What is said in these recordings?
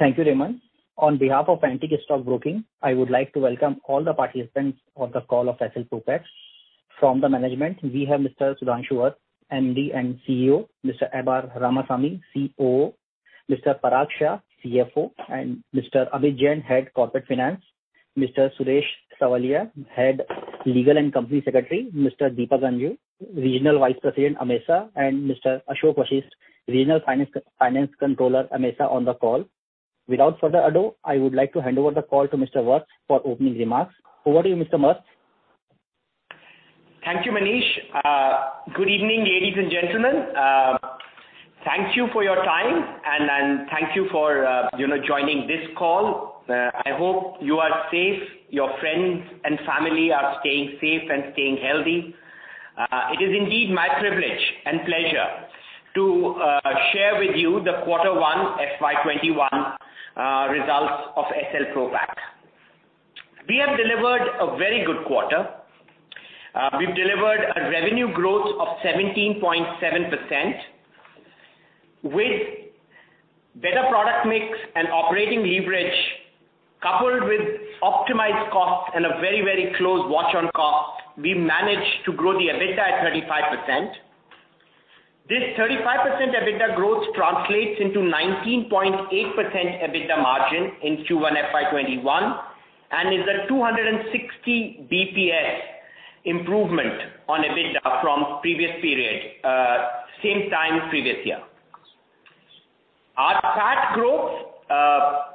Thank you, Raymond. On behalf of Antique Stock Broking, I would like to welcome all the participants on the call of Essel Propack. From the management, we have Mr. Sudhanshu Vats, MD and CEO; Mr. M. R. Ramasamy, COO; Mr. Parag Shah, CFO; and Mr. Amit Jain, Head - Corporate Finance; Mr. Suresh Savaliya, Head - Legal and Company Secretary; Mr. Deepak Ganjoo, Regional Vice President, AMESA, and Mr. Ashok Vashisht, Regional Finance Controller, AMESA on the call. Without further ado, I would like to hand over the call to Mr. Vats for opening remarks. Over to you, Mr. Vats. Thank you, Manish. Good evening, ladies and gentlemen. Thank you for your time, and thank you for joining this call. I hope you are safe, your friends and family are staying safe and staying healthy. It is indeed my privilege and pleasure to share with you the Q1 FY 2021 results of Essel Propack. We have delivered a very good quarter. We've delivered a revenue growth of 17.7% with better product mix and operating leverage coupled with optimized costs and a very close watch on costs. We managed to grow the EBITDA at 35%. This 35% EBITDA growth translates into 19.8% EBITDA margin in Q1 FY 2021 and is a 260 basis points improvement on EBITDA from previous period, same time previous year. Our PAT growth,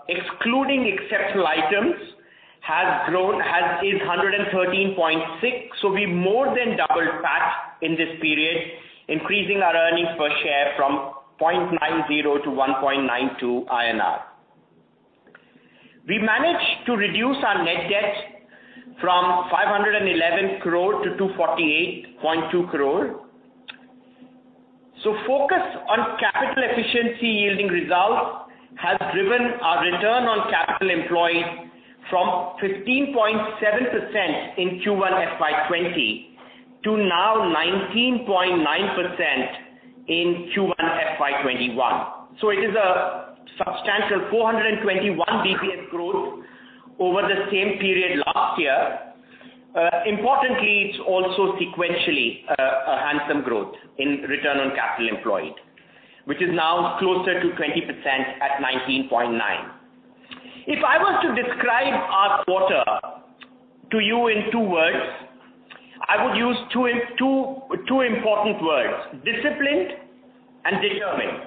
excluding exceptional items, is 113.6%. We more than doubled PAT in this period, increasing our earnings per share from 0.90 to 1.92 INR. We managed to reduce our net debt from 511 crore to 248.2 crore. Focus on capital efficiency yielding results has driven our return on capital employed from 15.7% in Q1 FY 2020 to now 19.9% in Q1 FY 2021. It is a substantial 421 basis points growth over the same period last year. Importantly, it's also sequentially a handsome growth in return on capital employed, which is now closer to 20% at 19.9%. If I was to describe our quarter to you in two words, I would use two important words, disciplined and determined.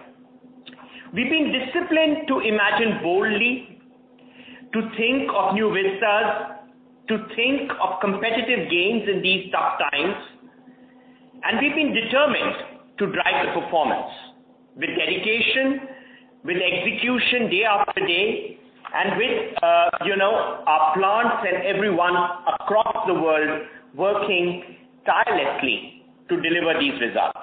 We've been disciplined to imagine boldly, to think of new vistas, to think of competitive gains in these tough times, and we've been determined to drive the performance with dedication, with execution day after day, and with our plants and everyone across the world working tirelessly to deliver these results.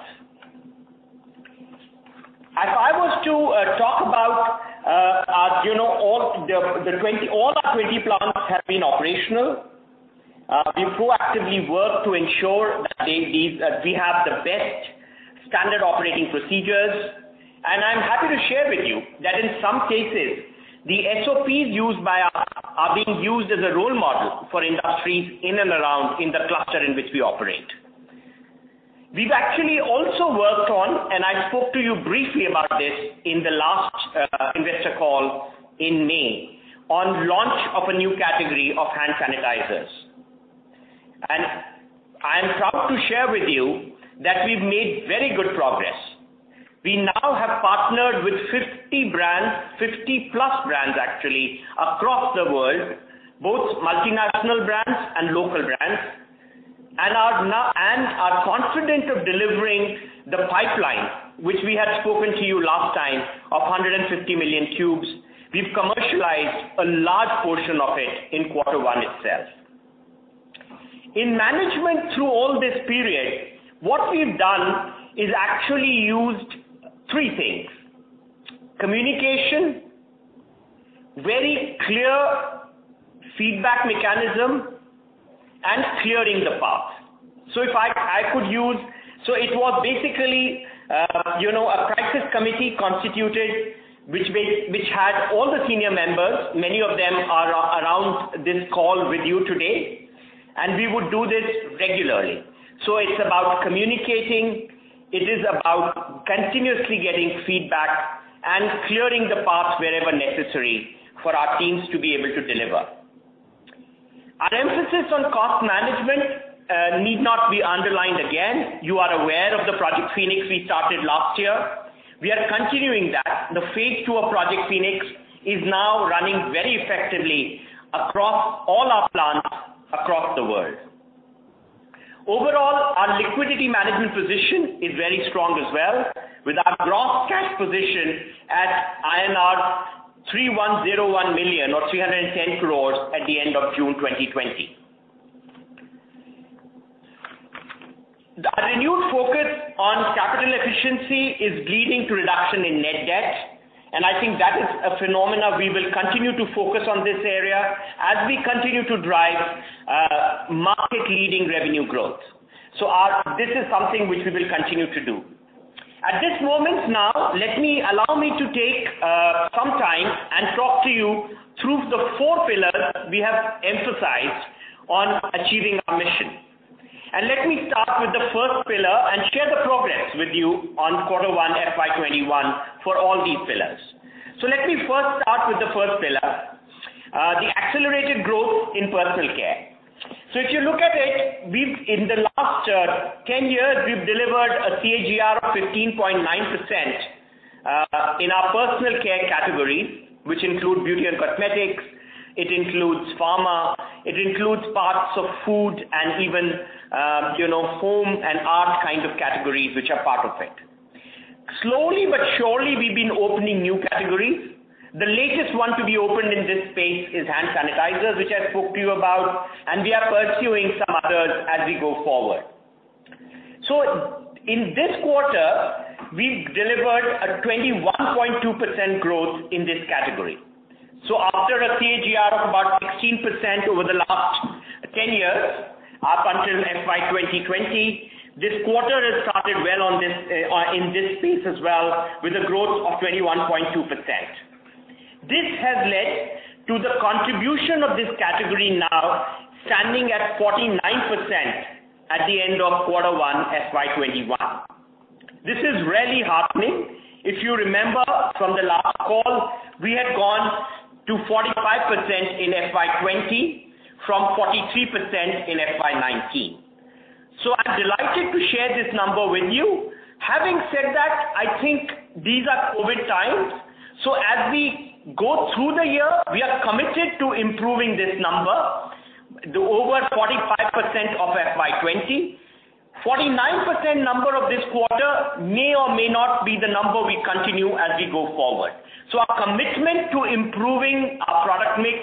If I was to talk about all our 20 plants have been operational. We've proactively worked to ensure that we have the best standard operating procedures. I'm happy to share with you that in some cases, the SOPs used by us are being used as a role model for industries in and around in the cluster in which we operate. We've actually also worked on, I spoke to you briefly about this in the last investor call in May, on launch of a new category of hand sanitizers. I am proud to share with you that we've made very good progress. We now have partnered with 50 brands, 50 plus brands actually, across the world, both multinational brands and local brands, and are confident of delivering the pipeline, which we had spoken to you last time of 150 million tubes. We've commercialized a large portion of it in Q1 itself. In management through all this period, what we've done is actually used three things: Communication, very clear feedback mechanism, and clearing the path. It was basically a crisis committee constituted, which had all the senior members. Many of them are around this call with you today. We would do this regularly. It's about communicating, it is about continuously getting feedback, and clearing the paths wherever necessary for our teams to be able to deliver. Our emphasis on cost management need not be underlined again. You are aware of the Project Phoenix we started last year. We are continuing that. The phase II of Project Phoenix is now running very effectively across all our plants across the world. Overall, our liquidity management position is very strong as well, with our gross cash position at INR 3101 million or 310 crores at the end of June 2020. Our renewed focus on capital efficiency is leading to reduction in net debt. I think that is a phenomenon we will continue to focus on this area as we continue to drive market-leading revenue growth. This is something which we will continue to do. At this moment now, allow me to take some time and talk to you through the four pillars we have emphasized on achieving our mission. Let me start with the first pillar and share the progress with you on Q1 FY 2021 for all these pillars. Let me first start with the first pillar, the accelerated growth in personal care. If you look at it, in the last 10 years, we've delivered a CAGR of 15.9% in our personal care category, which include beauty and cosmetics, it includes pharma, it includes parts of food, and even home and art kind of categories, which are part of it. Slowly but surely, we've been opening new categories. The latest one to be opened in this space is hand sanitizers, which I spoke to you about, and we are pursuing some others as we go forward. In this quarter, we've delivered a 21.2% growth in this category. After a CAGR of about 16% over the last 10 years, up until FY 2020, this quarter has started well in this space as well with a growth of 21.2%. This has led to the contribution of this category now standing at 49% at the end of Q1 FY 2021. This is really happening. If you remember from the last call, we had gone to 45% in FY 2020 from 43% in FY 2019. I'm delighted to share this number with you. Having said that, I think these are COVID times, as we go through the year, we are committed to improving this number to over 45% of FY 2020. 49% number of this quarter may or may not be the number we continue as we go forward. Our commitment to improving our product mix,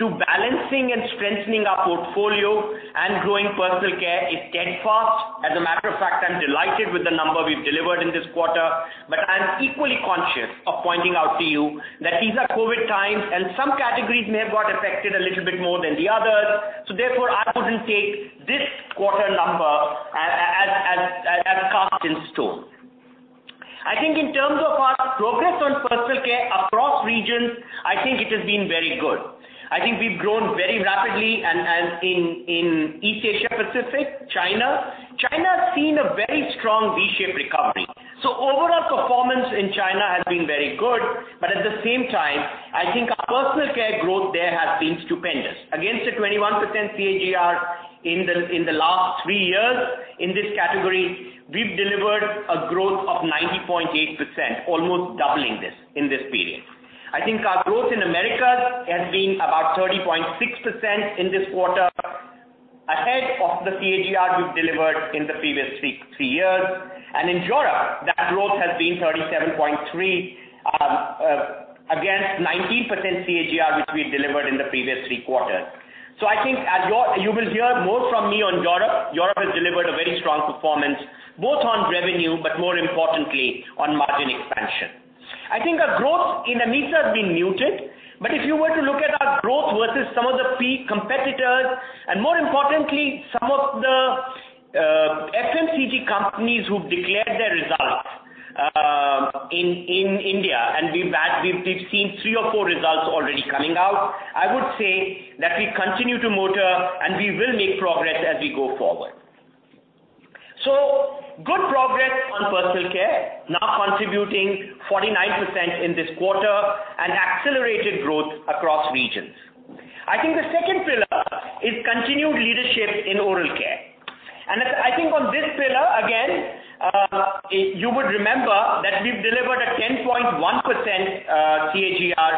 to balancing and strengthening our portfolio and growing personal care is steadfast. As a matter of fact, I'm delighted with the number we've delivered in this quarter. I'm equally conscious of pointing out to you that these are COVID times, and some categories may have got affected a little bit more than the others. Therefore, I wouldn't take this quarter number as cast in stone. I think in terms of our progress on personal care across regions, I think it has been very good. I think we've grown very rapidly and in East Asia, Pacific, China. China has seen a very strong V-shaped recovery. Overall performance in China has been very good. At the same time, I think our personal care growth there has been stupendous. Against the 21% CAGR in the last three years in this category, we've delivered a growth of 90.8%, almost doubling this in this period. I think our growth in Americas has been about 30.6% in this quarter, ahead of the CAGR we've delivered in the previous three years. In Europe, that growth has been 37.3% against 19% CAGR, which we delivered in the previous three quarters. I think you will hear more from me on Europe. Europe has delivered a very strong performance, both on revenue, but more importantly on margin expansion. I think our growth in EMEA has been muted, but if you were to look at our growth versus some of the key competitors and more importantly, some of the FMCG companies who declared their results in India, and we've seen three or four results already coming out, I would say that we continue to motor, and we will make progress as we go forward. Good progress on personal care, now contributing 49% in this quarter and accelerated growth across regions. I think the second pillar is continued leadership in oral care. I think on this pillar, again, you would remember that we've delivered a 10.1% CAGR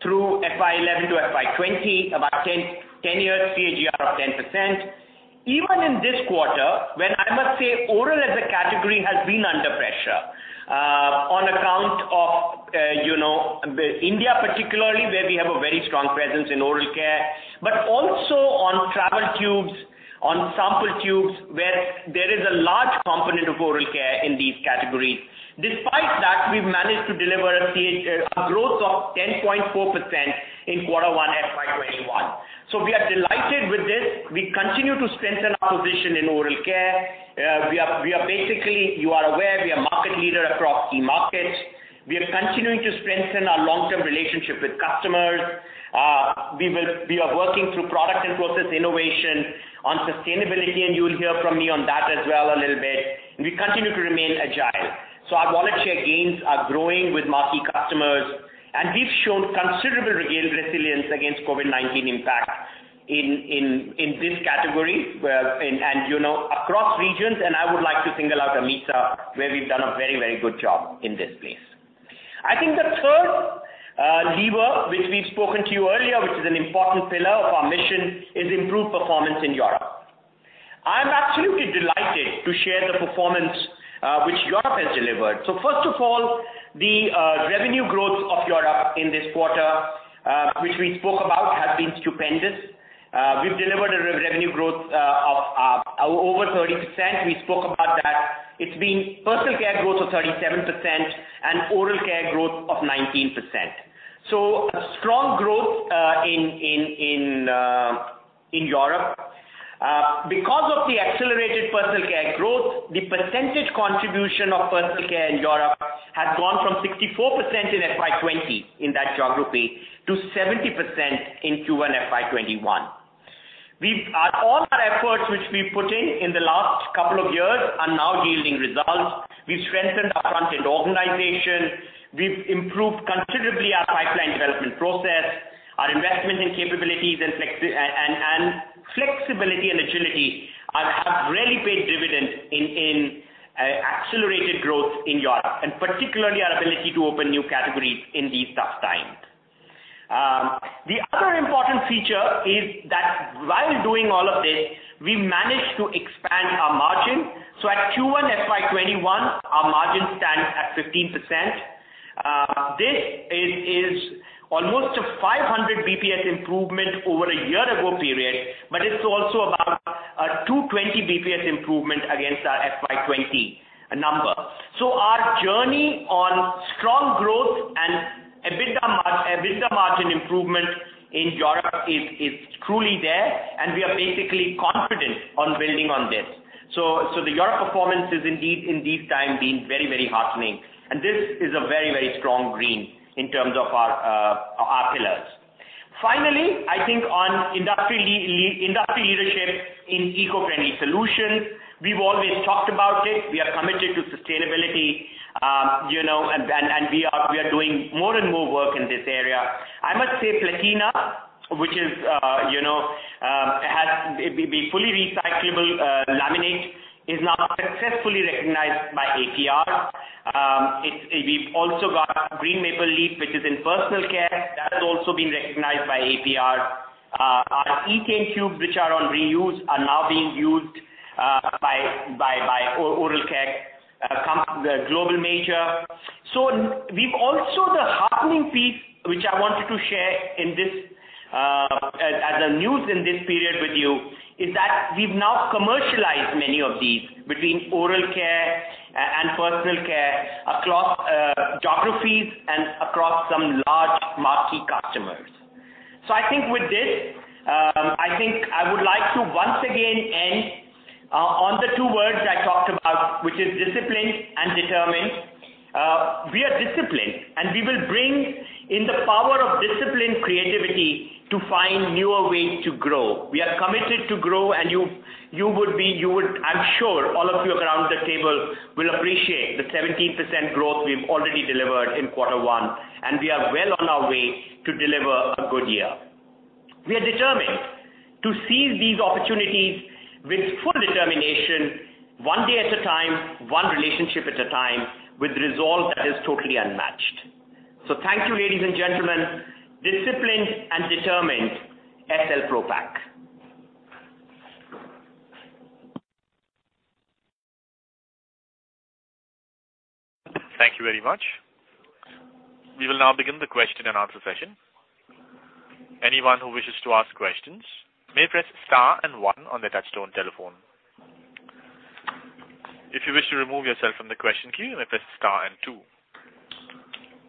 through FY 2011 to FY 2020, about 10-year CAGR of 10%. Even in this quarter, when I must say oral as a category has been under pressure, on account of India particularly, where we have a very strong presence in oral care, but also on travel tubes, on sample tubes, where there is a large component of oral care in these categories. Despite that, we've managed to deliver a growth of 10.4% in Q1 FY 2021. We are delighted with this. We continue to strengthen our position in oral care. We are basically, you are aware, we are market leader across key markets. We are continuing to strengthen our long-term relationship with customers. We are working through product and process innovation on sustainability, and you'll hear from me on that as well a little bit. We continue to remain agile. Our volume share gains are growing with marquee customers, and we've shown considerable resilience against COVID-19 impact in this category and across regions. I would like to single out AMESA, where we've done a very, very good job in this space. I think the third lever, which we've spoken to you earlier, which is an important pillar of our mission, is improved performance in Europe. I'm absolutely delighted to share the performance which Europe has delivered. First of all, the revenue growth of Europe in this quarter, which we spoke about, has been stupendous. We've delivered a revenue growth of over 30%. We spoke about that. It's been personal care growth of 37% and oral care growth of 19%. A strong growth in Europe. Because of the accelerated personal care growth, the percentage contribution of personal care in Europe has gone from 64% in FY 2020, in that geography, to 70% in Q1 FY 2021. All our efforts which we've put in in the last couple of years are now yielding results. We've strengthened our front-end organization. We've improved considerably our pipeline development process. Our investment in capabilities and flexibility and agility have really paid dividends in accelerated growth in Europe, and particularly our ability to open new categories in these tough times. The other important feature is that while doing all of this, we managed to expand our margin. At Q1 FY 2021, our margin stands at 15%. This is almost a 500 basis points improvement over a year ago period, it is also about a 220 basis points improvement against our FY 2020 number. Our journey on strong growth and EBITDA margin improvement in Europe is truly there, and we are basically confident on building on this. The Europe performance has indeed in this time been very, very heartening, and this is a very, very strong green in terms of our pillars. Finally, I think on industry leadership in eco-friendly solutions, we've always talked about it. We are committed to sustainability, and we are doing more and more work in this area. I must say Platina, which is the fully recyclable laminate, is now successfully recognized by APR. We've also got Green Maple Leaf, which is in personal care. That has also been recognized by APR. Our Etain tubes, which are on reuse, are now being used by oral care, a global major. Also the heartening piece, which I wanted to share as the news in this period with you, is that we've now commercialized many of these between oral care and personal care across geographies and across some large marquee customers. I think with this, I think I would like to once again end on the two words I talked about, which is disciplined and determined. We are disciplined, and we will bring in the power of disciplined creativity to find newer ways to grow. We are committed to grow, and I'm sure all of you around the table will appreciate the 17% growth we've already delivered in Q1, and we are well on our way to deliver a good year. We are determined to seize these opportunities with full determination one day at a time, one relationship at a time, with resolve that is totally unmatched. Thank you, ladies and gentlemen. Disciplined and determined, Essel Propack. Thank you very much. We will now begin the question and answer session. Anyone who wishes to ask questions may press star and one on their touch-tone telephone. If you wish to remove yourself from the question queue, you may press star and two.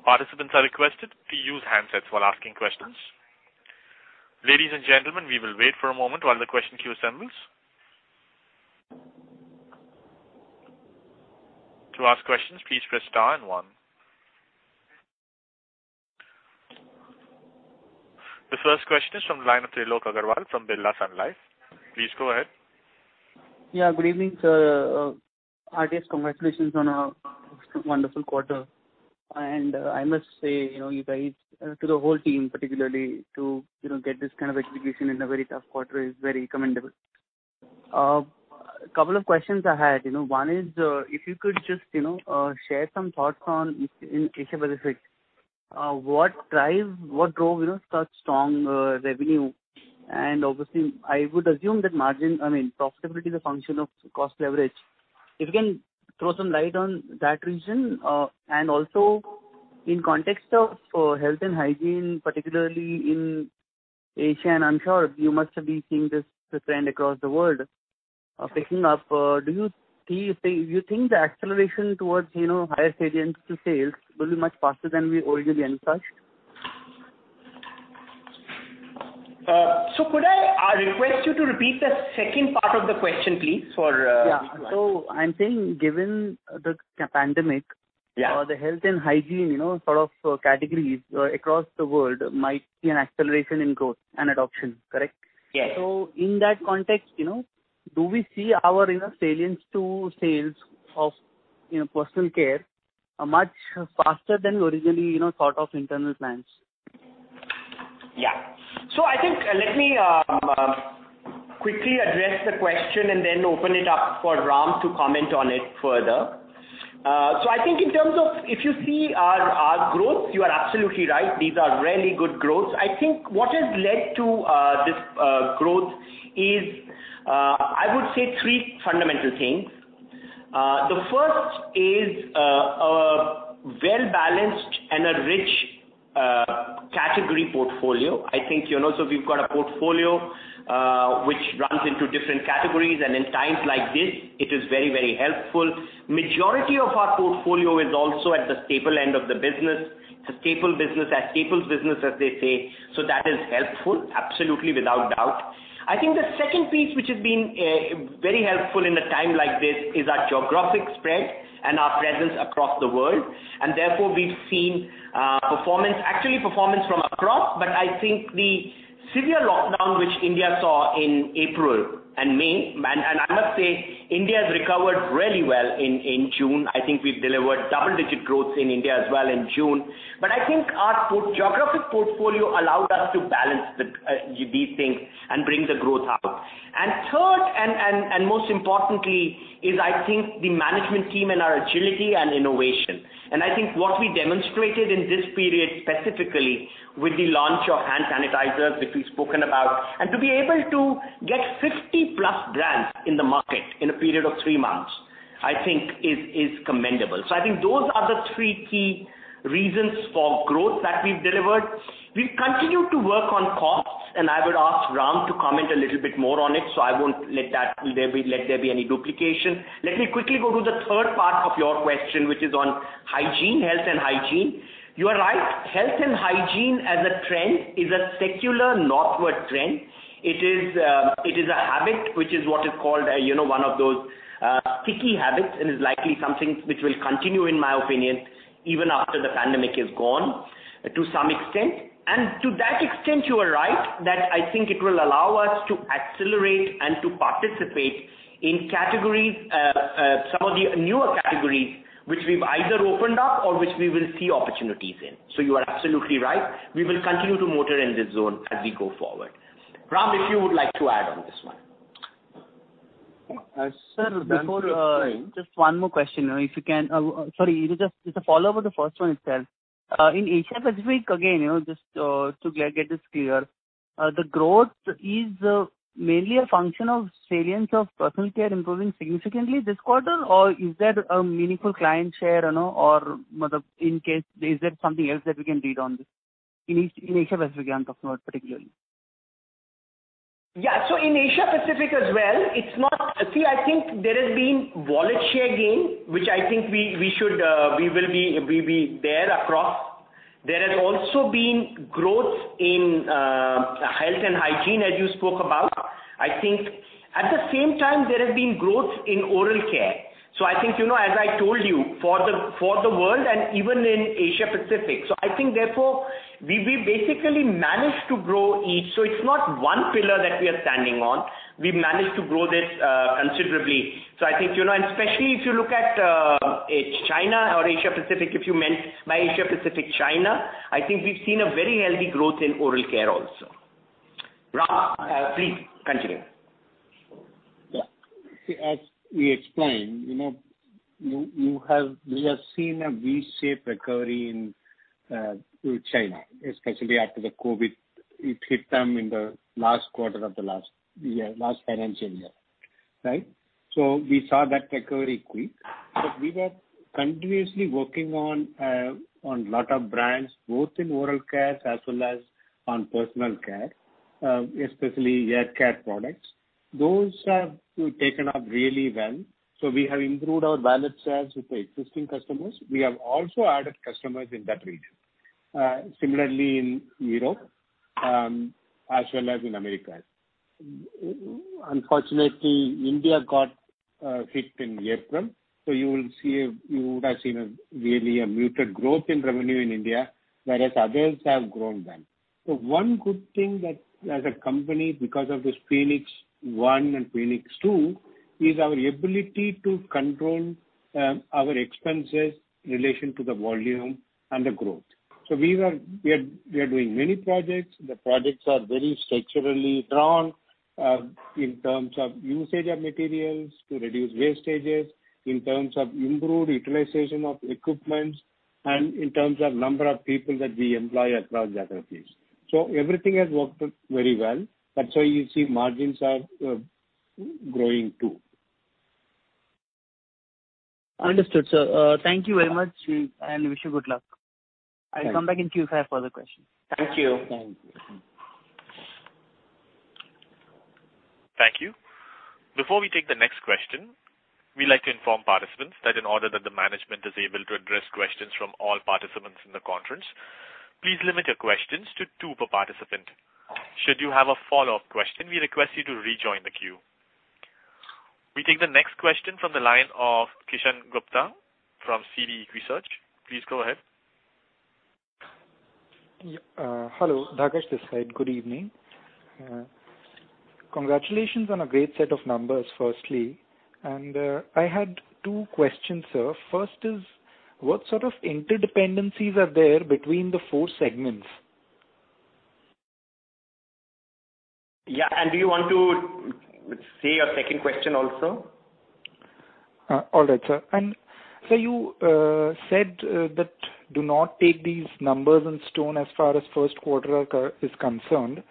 Participants are requested to use handsets while asking questions. Ladies and gentlemen, we will wait for a moment while the question queue assembles. To ask questions, please press star and one. The first question is from the line of Trilok Agarwal from Birla Sun Life. Please go ahead. Yeah, good evening, sir. RDS, congratulations on a wonderful quarter. I must say, to the whole team particularly, to get this kind of execution in a very tough quarter is very commendable. A couple of questions I had. One is, if you could just share some thoughts on in Asia-Pacific. What drove such strong revenue? Obviously, I would assume that margin, profitability is a function of cost leverage. If you can throw some light on that region. Also in context of health and hygiene, particularly in Asia, and I'm sure you must have been seeing this trend across the world picking up. Do you think the acceleration towards higher salience to sales will be much faster than we originally envisaged? Could I request you to repeat the second part of the question, please? Yeah. I'm saying given the pandemic. Yeah the health and hygiene sort of categories across the world might see an acceleration in growth and adoption, correct? Yes. In that context, do we see our salience to sales of personal care much faster than we originally thought of internal plans? Yeah. I think, let me quickly address the question and then open it up for Ram to comment on it further. I think in terms of if you see our growth, you are absolutely right. These are really good growths. I think what has led to this growth is, I would say three fundamental things. The first is a well-balanced and a rich category portfolio. We've got a portfolio which runs into different categories, and in times like this, it is very helpful. Majority of our portfolio is also at the staple end of the business. Staples business, as they say. That is helpful, absolutely, without doubt. I think the second piece, which has been very helpful in a time like this, is our geographic spread and our presence across the world. Therefore, we've seen performance from across, but I think the severe lockdown which India saw in April and May, and I must say, India has recovered really well in June. I think we've delivered double-digit growth in India as well in June. I think our geographic portfolio allowed us to balance these things and bring the growth out. Third, and most importantly, is, I think, the management team and our agility and innovation. I think what we demonstrated in this period, specifically with the launch of hand sanitizers, which we've spoken about, and to be able to get 50-plus brands in the market in a period of three months, I think is commendable. I think those are the three key reasons for growth that we've delivered. We've continued to work on costs, I would ask Ram to comment a little bit more on it, so I won't let there be any duplication. Let me quickly go to the third part of your question, which is on health and hygiene. You are right, health and hygiene as a trend is a secular northward trend. It is a habit, which is what is called one of those sticky habits, and is likely something which will continue, in my opinion, even after the pandemic is gone to some extent. To that extent, you are right that I think it will allow us to accelerate and to participate in some of the newer categories which we've either opened up or which we will see opportunities in. You are absolutely right. We will continue to motor in this zone as we go forward. Ram, if you would like to add on this one. Sir. Ram, please explain. Just one more question, if you can. Sorry, it's a follow-up of the first one itself. In Asia Pacific, again, just to get this clear, the growth is mainly a function of salience of personal care improving significantly this quarter? Or is there a meaningful client share, or in case, is there something else that we can read on this? In Asia Pacific, you are talking about particularly. Yeah. In Asia Pacific as well, I think there has been wallet share gain, which I think we will be there across. There has also been growth in health and hygiene as you spoke about. I think at the same time, there has been growth in oral care. I think, as I told you, for the world and even in Asia Pacific. I think therefore, we basically managed to grow each. It's not one pillar that we are standing on. We've managed to grow this considerably. I think, especially if you look at China or Asia Pacific, if you meant by Asia Pacific, China, I think we've seen a very healthy growth in oral care also. Ram, please continue. As we explained, we have seen a V-shaped recovery in China, especially after the COVID-19. It hit them in the last quarter of the last financial year. Right? We were continuously working on a lot of brands, both in oral care as well as on personal care, especially hair care products. Those have taken up really well. We have improved our wallet shares with the existing customers. We have also added customers in that region. In Europe, as well as in America. Unfortunately, India got hit in April, you would have seen really a muted growth in revenue in India, whereas others have grown then. One good thing that as a company, because of this Phoenix One and Phoenix Two, is our ability to control our expenses in relation to the volume and the growth. We are doing many projects. The projects are very structurally drawn in terms of usage of materials to reduce wastages, in terms of improved utilization of equipment, and in terms of number of people that we employ across geographies. Everything has worked out very well. That's why you see margins are growing too. Understood, sir. Thank you very much, and wish you good luck. Thank you. I'll come back in queue if I have further questions. Thank you. Thank you. Thank you. Before we take the next question, we like to inform participants that in order that the management is able to address questions from all participants in the conference, please limit your questions to two per participant. Should you have a follow-up question, we request you to rejoin the queue. We take the next question from the line of Kishan Gupta from CD Equisearch. Please go ahead. Hello. Dhagesh this side. Good evening. Congratulations on a great set of numbers, firstly. I had two questions, sir. First is, what sort of interdependencies are there between the four segments? Yeah, do you want to say your second question also? All right, sir. Sir, you said that do not take these numbers in stone as far as Q1 is concerned.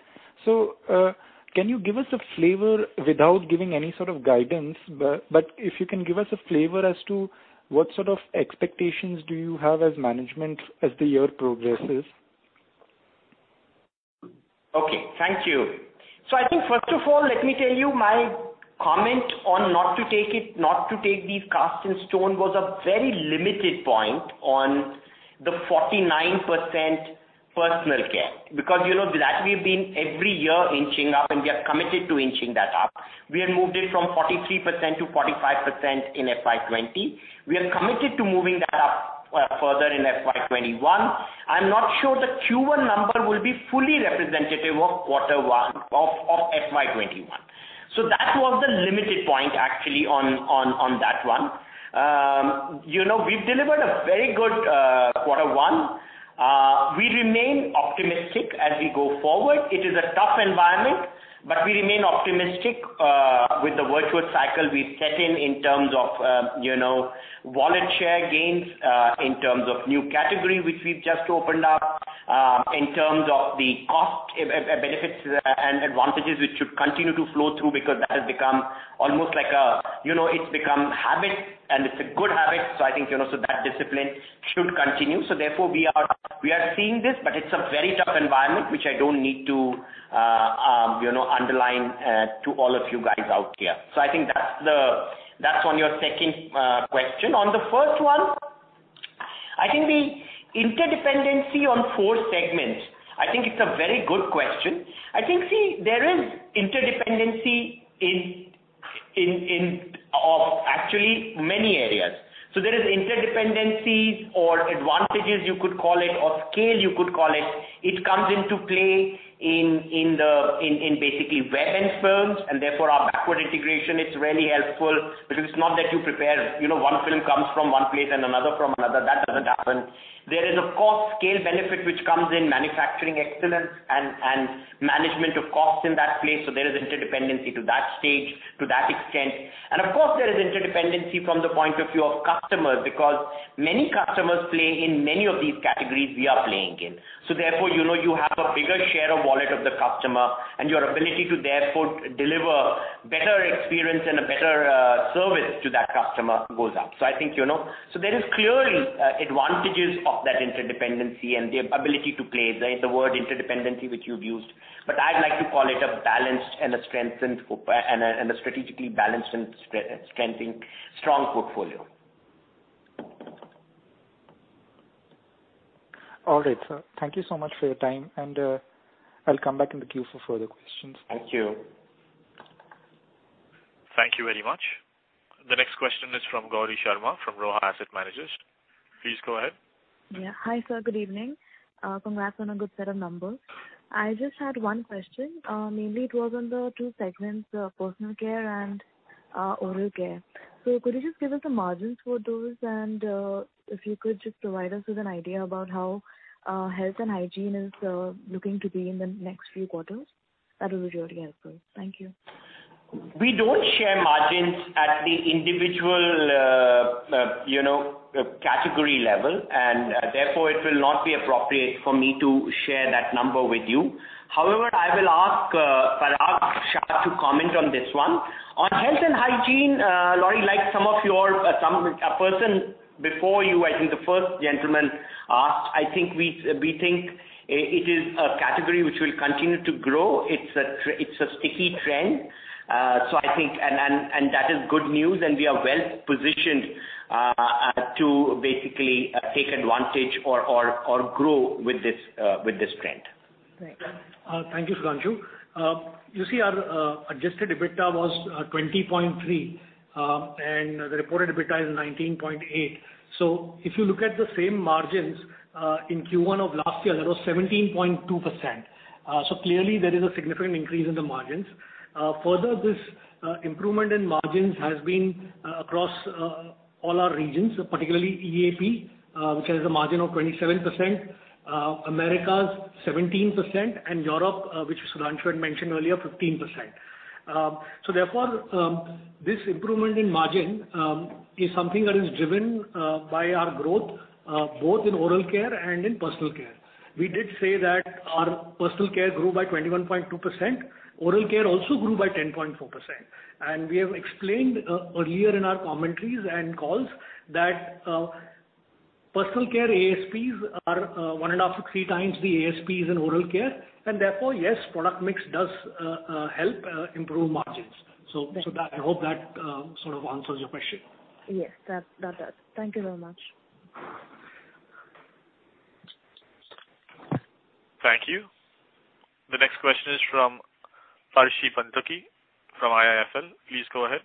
Can you give us a flavor without giving any sort of guidance, but if you can give us a flavor as to what sort of expectations do you have as management as the year progresses? Okay. Thank you. I think, first of all, let me tell you my comment on not to take these cast in stone was a very limited point on the 49% personal care. You know that we've been every year inching up, and we are committed to inching that up. We have moved it from 43%-45% in FY 2020. We are committed to moving that up further in FY 2021. I'm not sure the Q1 number will be fully representative of FY 2021. That was the limited point actually on that one. We've delivered a very good Q1. We remain optimistic as we go forward. It is a tough environment, but we remain optimistic with the virtuous cycle we've set in terms of wallet share gains, in terms of new category, which we've just opened up, in terms of the cost benefits and advantages which should continue to flow through because that has become almost like It's become habit, and it's a good habit. I think, that discipline should continue. Therefore, we are seeing this, but it's a very tough environment, which I don't need to underline to all of you guys out here. I think that's on your second question. On the first one, I think the interdependency on four segments, I think it's a very good question. I think, see, there is interdependency of actually many areas. There is interdependencies or advantages you could call it, or scale you could call it. It comes into play in basically webs and films, and therefore our backward integration is really helpful because it's not that you prepare one film comes from one place and another from another. That doesn't happen. There is, of course, scale benefit which comes in manufacturing excellence and management of cost in that place. There is interdependency to that stage, to that extent. Of course, there is interdependency from the point of view of customers because many customers play in many of these categories we are playing in. Therefore, you have a bigger share of wallet of the customer, and your ability to therefore deliver better experience and a better service to that customer goes up. There is clearly advantages of that interdependency and the ability to play, the word interdependency which you've used, but I'd like to call it a strategically balanced and strengthening strong portfolio. All right, sir. Thank you so much for your time. I'll come back in the queue for further questions. Thank you. Thank you very much. The next question is from Gauri Sharma, from ROHA Asset Managers. Please go ahead. Yeah. Hi, sir, good evening. Congrats on a good set of numbers. I just had one question. Mainly it was on the two segments, personal care and oral care. Could you just give us the margins for those, and if you could just provide us with an idea about how health and hygiene is looking to be in the next few quarters, that will be really helpful. Thank you. We don't share margins at the individual category level, and therefore it will not be appropriate for me to share that number with you. However, I will ask Parag Shah to comment on this one. On health and hygiene, Gauri, like a person before you, I think the first gentleman asked, I think we think it is a category which will continue to grow. It's a sticky trend. That is good news, and we are well-positioned to basically take advantage or grow with this trend. Great. Thank you, Sudhanshu. Our adjusted EBITDA was 20.3, and the reported EBITDA is 19.8. If you look at the same margins, in Q1 of last year, that was 17.2%. Clearly there is a significant increase in the margins. Further, this improvement in margins has been across all our regions, particularly EAP, which has a margin of 27%, Americas 17%, and Europe, which Sudhanshu had mentioned earlier, 15%. This improvement in margin is something that is driven by our growth, both in oral care and in personal care. We did say that our personal care grew by 21.2%. Oral care also grew by 10.4%. We have explained earlier in our commentaries and calls that personal care ASPs are one and a half to three times the ASPs in oral care, yes, product mix does help improve margins. I hope that sort of answers your question. Yes, that does. Thank you very much. Thank you. The next question is from Percy Panthaki from IIFL. Please go ahead.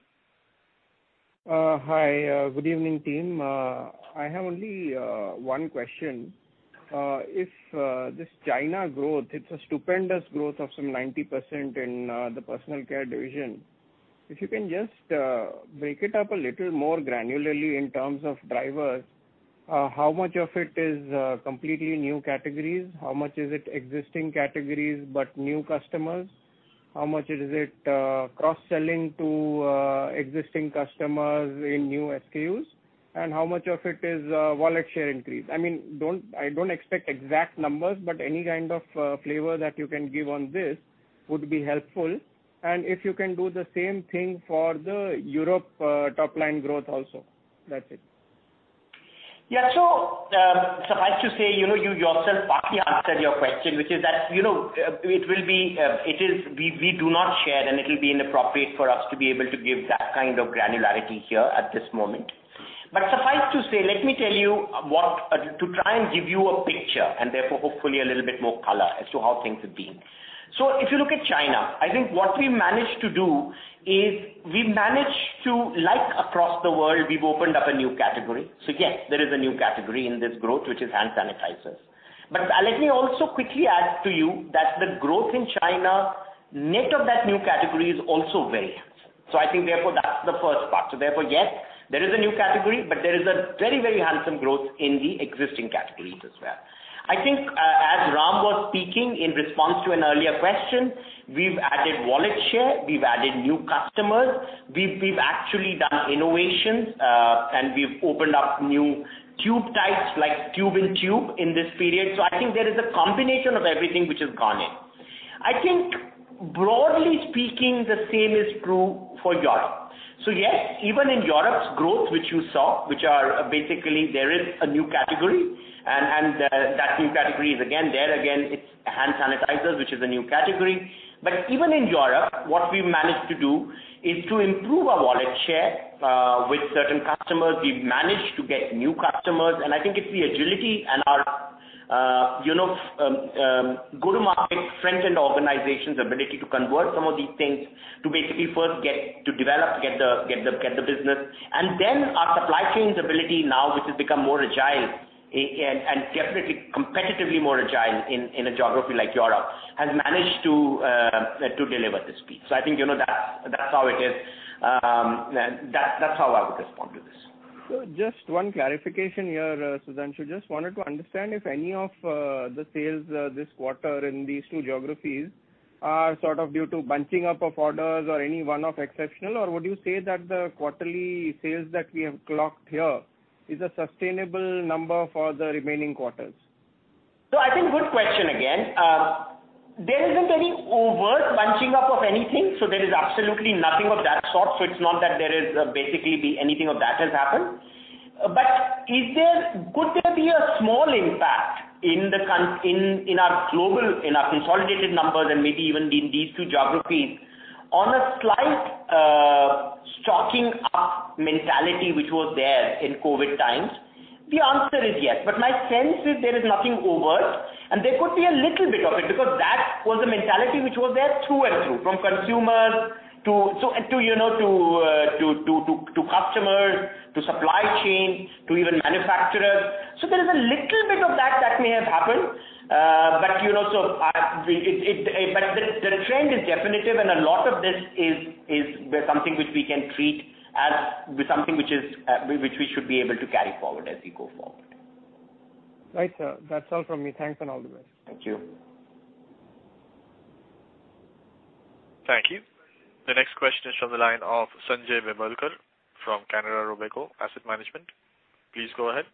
Hi. Good evening, team. I have only one question. If this China growth, it's a stupendous growth of some 90% in the personal care division. If you can just break it up a little more granularly in terms of drivers, how much of it is completely new categories? How much is it existing categories but new customers? How much is it cross-selling to existing customers in new SKUs? How much of it is wallet share increase? I don't expect exact numbers, but any kind of flavor that you can give on this would be helpful. If you can do the same thing for the Europe top-line growth also. That's it. Yeah. Suffice to say, you yourself partly answered your question, which is that we do not share, and it will be inappropriate for us to be able to give that kind of granularity here at this moment. Suffice to say, let me tell you to try and give you a picture, and therefore hopefully a little bit more color as to how things have been. If you look at China, I think what we managed to do is we managed to, like across the world, we have opened up a new category. Yes, there is a new category in this growth, which is hand sanitizers. Let me also quickly add to you that the growth in China, net of that new category, is also very handsome. I think, therefore, that is the first part. Therefore, yes, there is a new category, but there is a very, very handsome growth in the existing categories as well. I think, as Ram was speaking in response to an earlier question, we've added wallet share, we've added new customers, we've actually done innovations, and we've opened up new tube types like Tube-in-Tube in this period. I think there is a combination of everything which has gone in. I think broadly speaking, the same is true for Europe. Yes, even in Europe's growth, which you saw, which are basically there is a new category, and that new category is, again, there again, it's hand sanitizers, which is a new category. Even in Europe, what we've managed to do is to improve our wallet share with certain customers. We've managed to get new customers, I think it's the agility and our go-to-market front and the organization's ability to convert some of these things to basically first get to develop, get the business. Then our supply chain's ability now, which has become more agile and definitely competitively more agile in a geography like Europe, has managed to deliver the speed. I think, that's how it is, and that's how I would respond to this. Just one clarification here, Sudhanshu. Just wanted to understand if any of the sales this quarter in these two geographies are sort of due to bunching up of orders or any one-off exceptional, or would you say that the quarterly sales that we have clocked here is a sustainable number for the remaining quarters? I think good question again. There isn't any overt bunching up of anything, so there is absolutely nothing of that sort. It's not that there is basically anything of that has happened. Could there be a small impact in our consolidated numbers and maybe even in these two geographies on a slight stocking up mentality, which was there in COVID-19 times? The answer is yes. My sense is there is nothing overt, and there could be a little bit of it because that was the mentality which was there through and through, from consumers to customers, to supply chain, to even manufacturers. There is a little bit of that that may have happened. The trend is definitive, and a lot of this is something which we should be able to carry forward as we go forward. Right, sir. That's all from me. Thanks and all the best. Thank you. Thank you. The next question is from the line of Sanjay Bembalkar from Canara Robeco Asset Management. Please go ahead.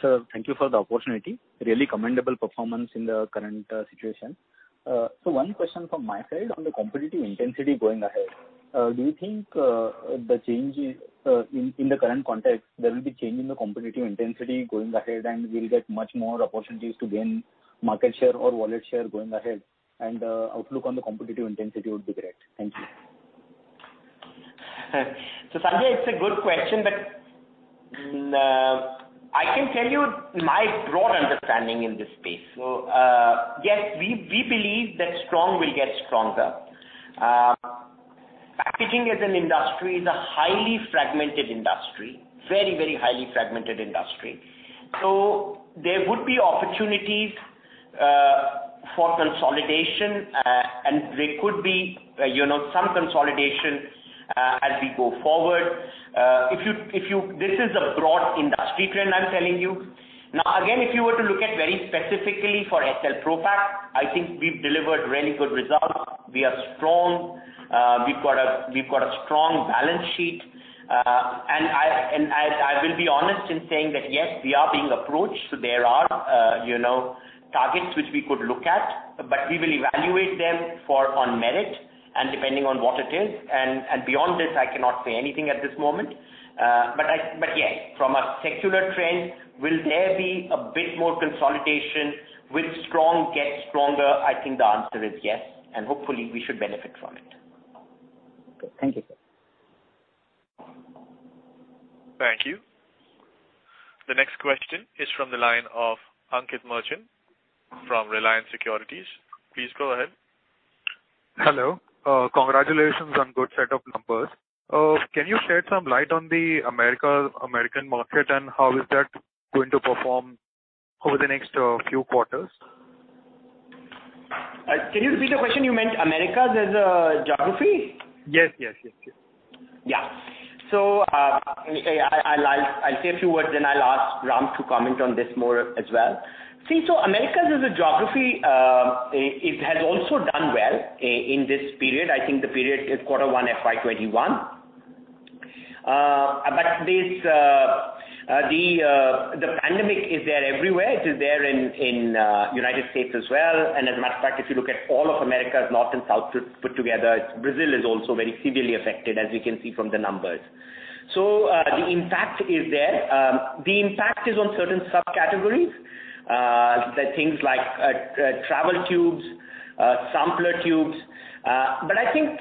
Sir, thank you for the opportunity. Really commendable performance in the current situation. One question from my side on the competitive intensity going ahead. Do you think in the current context, there will be change in the competitive intensity going ahead, and we'll get much more opportunities to gain market share or wallet share going ahead? Outlook on the competitive intensity would be great. Thank you. Sanjay, it's a good question. I can tell you my broad understanding in this space. Yes, we believe that strong will get stronger. Packaging as an industry is a highly fragmented industry. Very, very highly fragmented industry. There would be opportunities for consolidation, and there could be some consolidation as we go forward. This is a broad industry trend I'm telling you. Again, if you were to look at very specifically for Essel Propack, I think we've delivered really good results. We are strong. We've got a strong balance sheet. I will be honest in saying that, yes, we are being approached. There are targets which we could look at, but we will evaluate them on merit and depending on what it is. Beyond this, I cannot say anything at this moment. Yes, from a secular trend, will there be a bit more consolidation? Will strong get stronger? I think the answer is yes, and hopefully we should benefit from it. Good. Thank you, sir. Thank you. The next question is from the line of Ankit Merchant from Reliance Securities. Please go ahead. Hello. Congratulations on good set of numbers. Can you shed some light on the American market, and how is that going to perform over the next few quarters? Can you repeat the question? You meant America as a geography? Yes. Yeah. I'll say a few words, then I'll ask Ram to comment on this more as well. See, Americas as a geography, it has also done well in this period. I think the period is Q1, FY 2021. Pandemic is there everywhere. It is there in United States as well. As a matter of fact, if you look at all of Americas, North and South put together, Brazil is also very severely affected, as we can see from the numbers. The impact is there. The impact is on certain subcategories, the things like travel tubes, sampler tubes. I think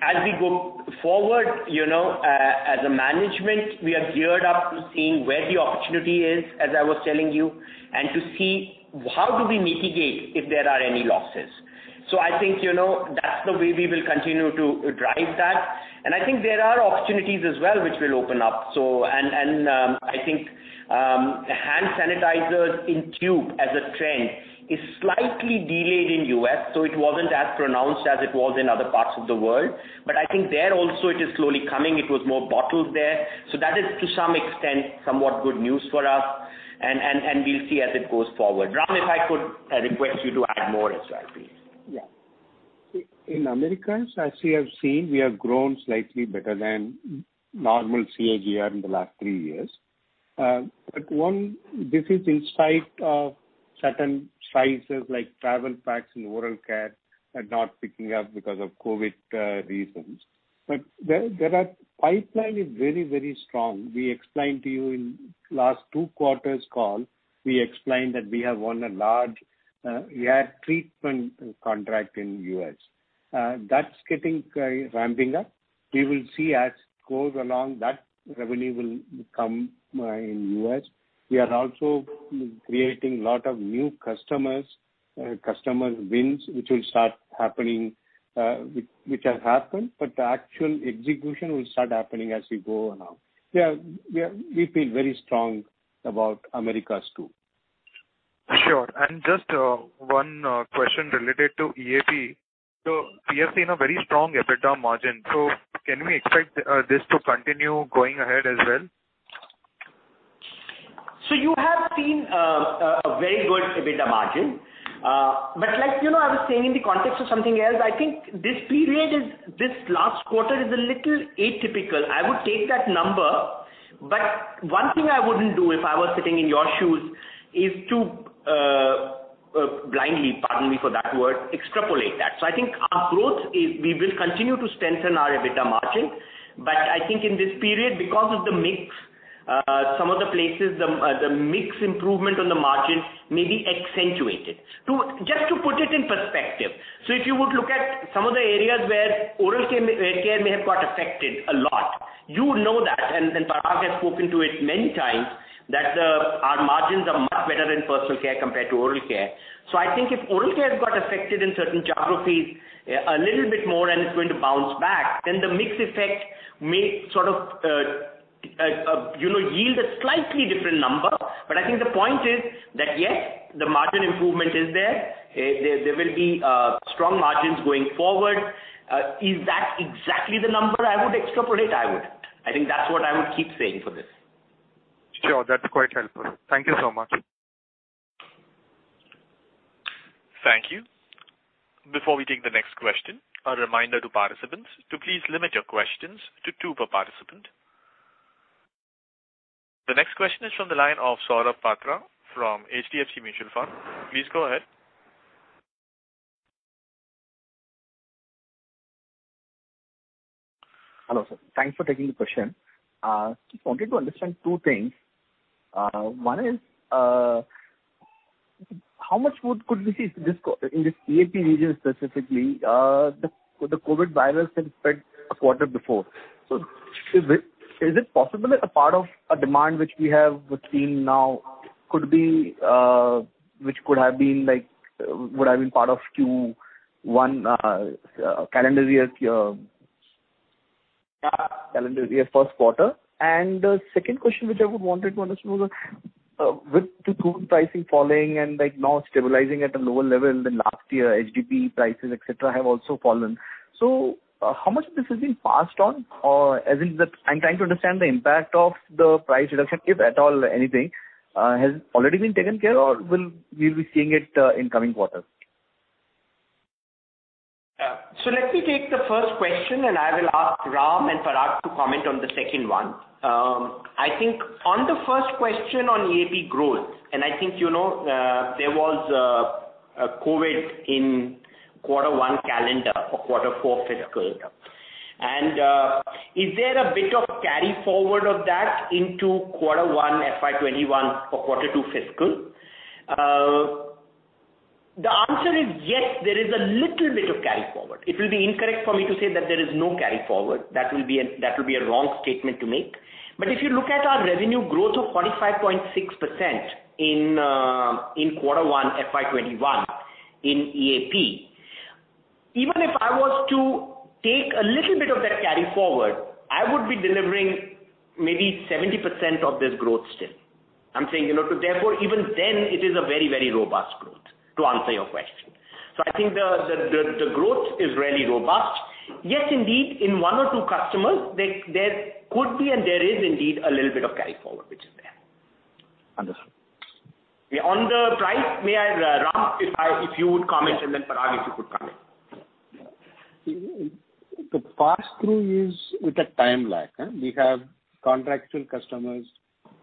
as we go forward, as a management, we are geared up to seeing where the opportunity is, as I was telling you, and to see how do we mitigate if there are any losses. I think, that's the way we will continue to drive that. I think there are opportunities as well which will open up. I think hand sanitizers in tube as a trend is slightly delayed in U.S., so it wasn't as pronounced as it was in other parts of the world. I think there also it is slowly coming. It was more bottled there. That is, to some extent, somewhat good news for us. We'll see as it goes forward. Ram, if I could request you to add more as well, please. Yeah. In Americas, as you have seen, we have grown slightly better than normal CAGR in the last three years. This is in spite of certain sizes, like travel packs and oral care are not picking up because of COVID reasons. Pipeline is very strong. We explained to you in last two quarters' call, we explained that we have won a large air treatment contract in U.S. That's ramping up. We will see as it goes along, that revenue will come in U.S. We are also creating lot of new customer wins, which have happened, but the actual execution will start happening as we go along. Yeah, we feel very strong about Americas, too. Sure. Just one question related to EAP. We have seen a very strong EBITDA margin. Can we expect this to continue going ahead as well? You have seen a very good EBITDA margin. Like I was saying in the context of something else, I think this last quarter is a little atypical. I would take that number. One thing I wouldn't do if I were sitting in your shoes is to blindly, pardon me for that word, extrapolate that. I think our growth is we will continue to strengthen our EBITDA margin. I think in this period, because of the mix, some of the places, the mix improvement on the margin may be accentuated. Just to put it in perspective, if you would look at some of the areas where oral care may have got affected a lot, you would know that, and Parag has spoken to it many times, that our margins are much better in personal care compared to oral care. I think if oral care got affected in certain geographies a little bit more and it's going to bounce back, then the mix effect may sort of yield a slightly different number. I think the point is that, yes, the margin improvement is there. There will be strong margins going forward. Is that exactly the number I would extrapolate? I wouldn't. I think that's what I would keep saying for this. Sure. That's quite helpful. Thank you so much. Thank you. Before we take the next question, a reminder to participants to please limit your questions to two per participant. The next question is from the line of Saurabh Patwa from HDFC Mutual Fund. Please go ahead. Hello, sir. Thanks for taking the question. Just wanted to understand two things. One is, how much more could we see in this EAP region specifically? The COVID-19 had spread a quarter before. Is it possible that a part of a demand which we have seen now could have been part of Q1 calendar year Q1? The second question which I wanted to understand was, with the crude pricing falling and now stabilizing at a lower level than last year, HDPE prices, et cetera, have also fallen. How much of this has been passed on? I'm trying to understand the impact of the price reduction, if at all anything, has it already been taken care of, or we'll be seeing it in coming quarters? Let me take the first question, and I will ask Ram and Parag to comment on the second one. I think on the first question on EAP growth, and I think, there was COVID-19 in Q1 calendar or Q4 fiscal. Is there a bit of carry forward of that into Q1 FY 2021 or Q2 fiscal? The answer is yes, there is a little bit of carry forward. It will be incorrect for me to say that there is no carry forward. That will be a wrong statement to make. If you look at our revenue growth of 45.6% in Q1 FY 2021 in EAP. Even if I was to take a little bit of that carry forward, I would be delivering maybe 70% of this growth still. I'm saying, so therefore, even then it is a very robust growth, to answer your question. I think the growth is really robust. Yes, indeed, in one or two customers, there could be, and there is indeed a little bit of carry forward, which is there. Understood. On the price, Ram, if you would comment and then Parag, if you could comment. The pass-through is with a time lag. We have contractual customers.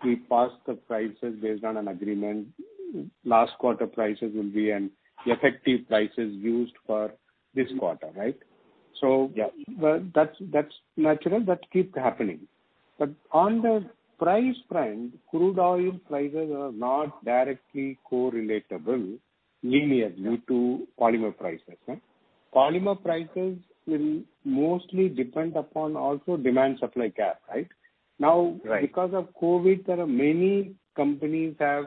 We pass the prices based on an agreement. Last quarter prices will be an effective prices used for this quarter, right? Yeah. That's natural. That keeps happening. On the price front, crude oil prices are not directly co-relatable linearly to polymer prices. Polymer prices will mostly depend upon also demand-supply gap, right? Right. Now, because of COVID, there are many companies have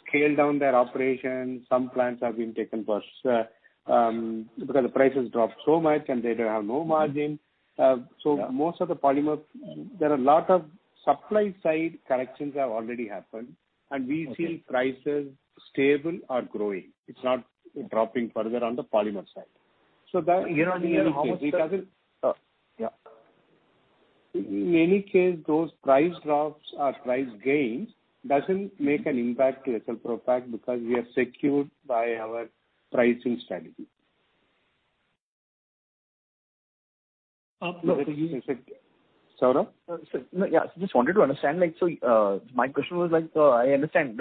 scaled down their operations. Some plants have been taken because the prices dropped so much and they don't have no margin. Yeah. Most of the polymer, there are a lot of supply side corrections have already happened, and we see prices stable or growing. It is not dropping further on the polymer side. Year-on-year, how much does it In any case, those price drops or price gains doesn't make an impact to Essel Propack because we are secured by our pricing strategy. Saurabh? Yeah. I just wanted to understand. My question was, I understand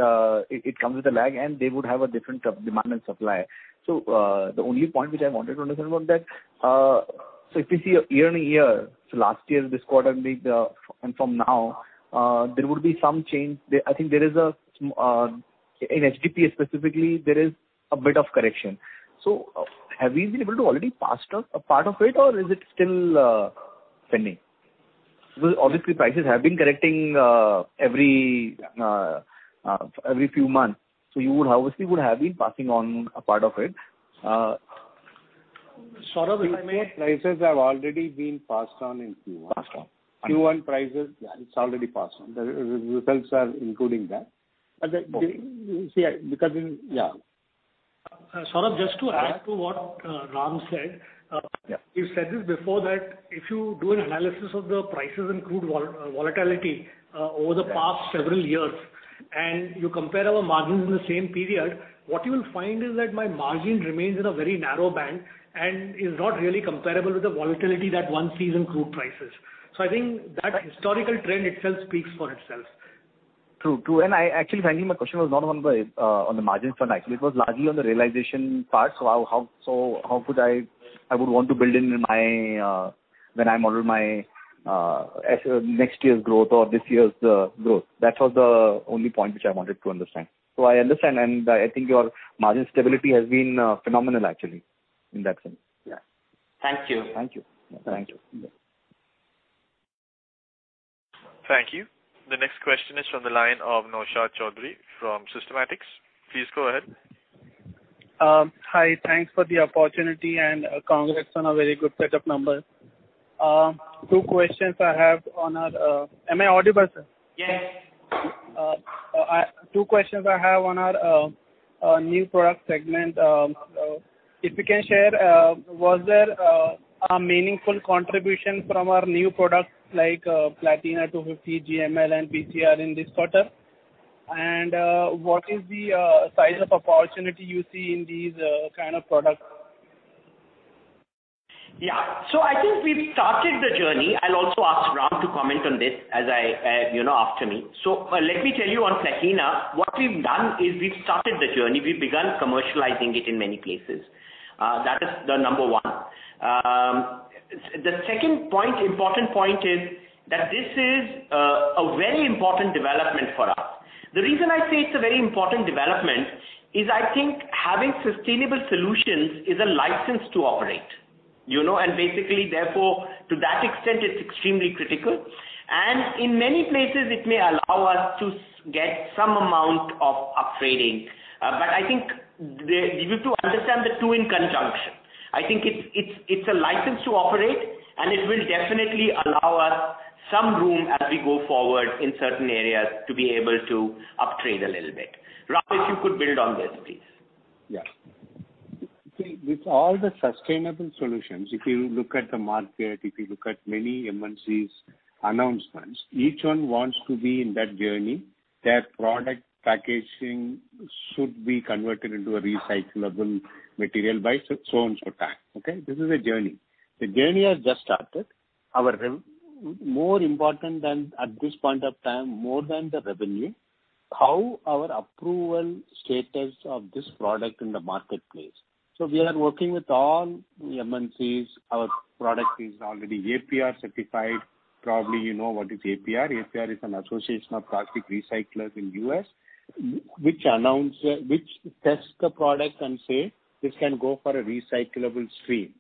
it comes with a lag, and they would have a different demand and supply. The only point which I wanted to understand about that, so if you see a year-on-year, so last year, this quarter and from now, there would be some change. I think in HDPE specifically, there is a bit of correction. Have we been able to already passed a part of it or is it still pending? Because obviously prices have been correcting every few months. You would obviously would have been passing on a part of it. Saurabh, if I may. Q4 prices have already been passed on in Q1. Passed on. Q1 prices, it's already passed on. The results are including that. Okay. Because in Yeah. Saurabh, just to add to what Ram said. Yeah. You said this before, that if you do an analysis of the prices and crude volatility over the past several years, and you compare our margins in the same period, what you will find is that my margin remains in a very narrow bank and is not really comparable with the volatility that one sees in crude prices. I think that historical trend itself speaks for itself. True. Actually, frankly, my question was not on the margin front, actually. It was largely on the realization part. I would want to build in when I model my next year's growth or this year's growth. That was the only point which I wanted to understand. I understand, and I think your margin stability has been phenomenal, actually, in that sense. Yeah. Thank you. Thank you. Thank you. Thank you. Thank you. The next question is from the line of Naushad Chaudhary from Systematix. Please go ahead. Hi. Thanks for the opportunity, and congrats on a very good set of numbers. Two questions I have. Am I audible, sir? Yes. Two questions I have on our new product segment. If you can share, was there a meaningful contribution from our new products like Platina 250, GML and PCR in this quarter? What is the size of opportunity you see in these kind of products? I think we've started the journey. I'll also ask Ram to comment on this after me. Let me tell you on Platina, what we've done is we've started the journey. We've begun commercializing it in many places. That is the number one. The second important point is that this is a very important development for us. The reason I say it's a very important development is, I think having sustainable solutions is a license to operate. Basically, therefore, to that extent, it's extremely critical. In many places, it may allow us to get some amount of up-trading. I think you need to understand the two in conjunction. I think it's a license to operate, and it will definitely allow us some room as we go forward in certain areas to be able to uptrade a little bit. Ram, if you could build on this, please. See, with all the sustainable solutions, if you look at the market, if you look at many MNCs announcements, each one wants to be in that journey. Their product packaging should be converted into a recyclable material by so and so time. This is a journey. The journey has just started. More important than at this point of time, more than the revenue, how our approval status of this product in the marketplace. We are working with all MNCs. Our product is already APR certified. Probably you know what is APR. APR is an Association of Plastic Recyclass in U.S., which tests the product and say, "This can go for a recyclable stream."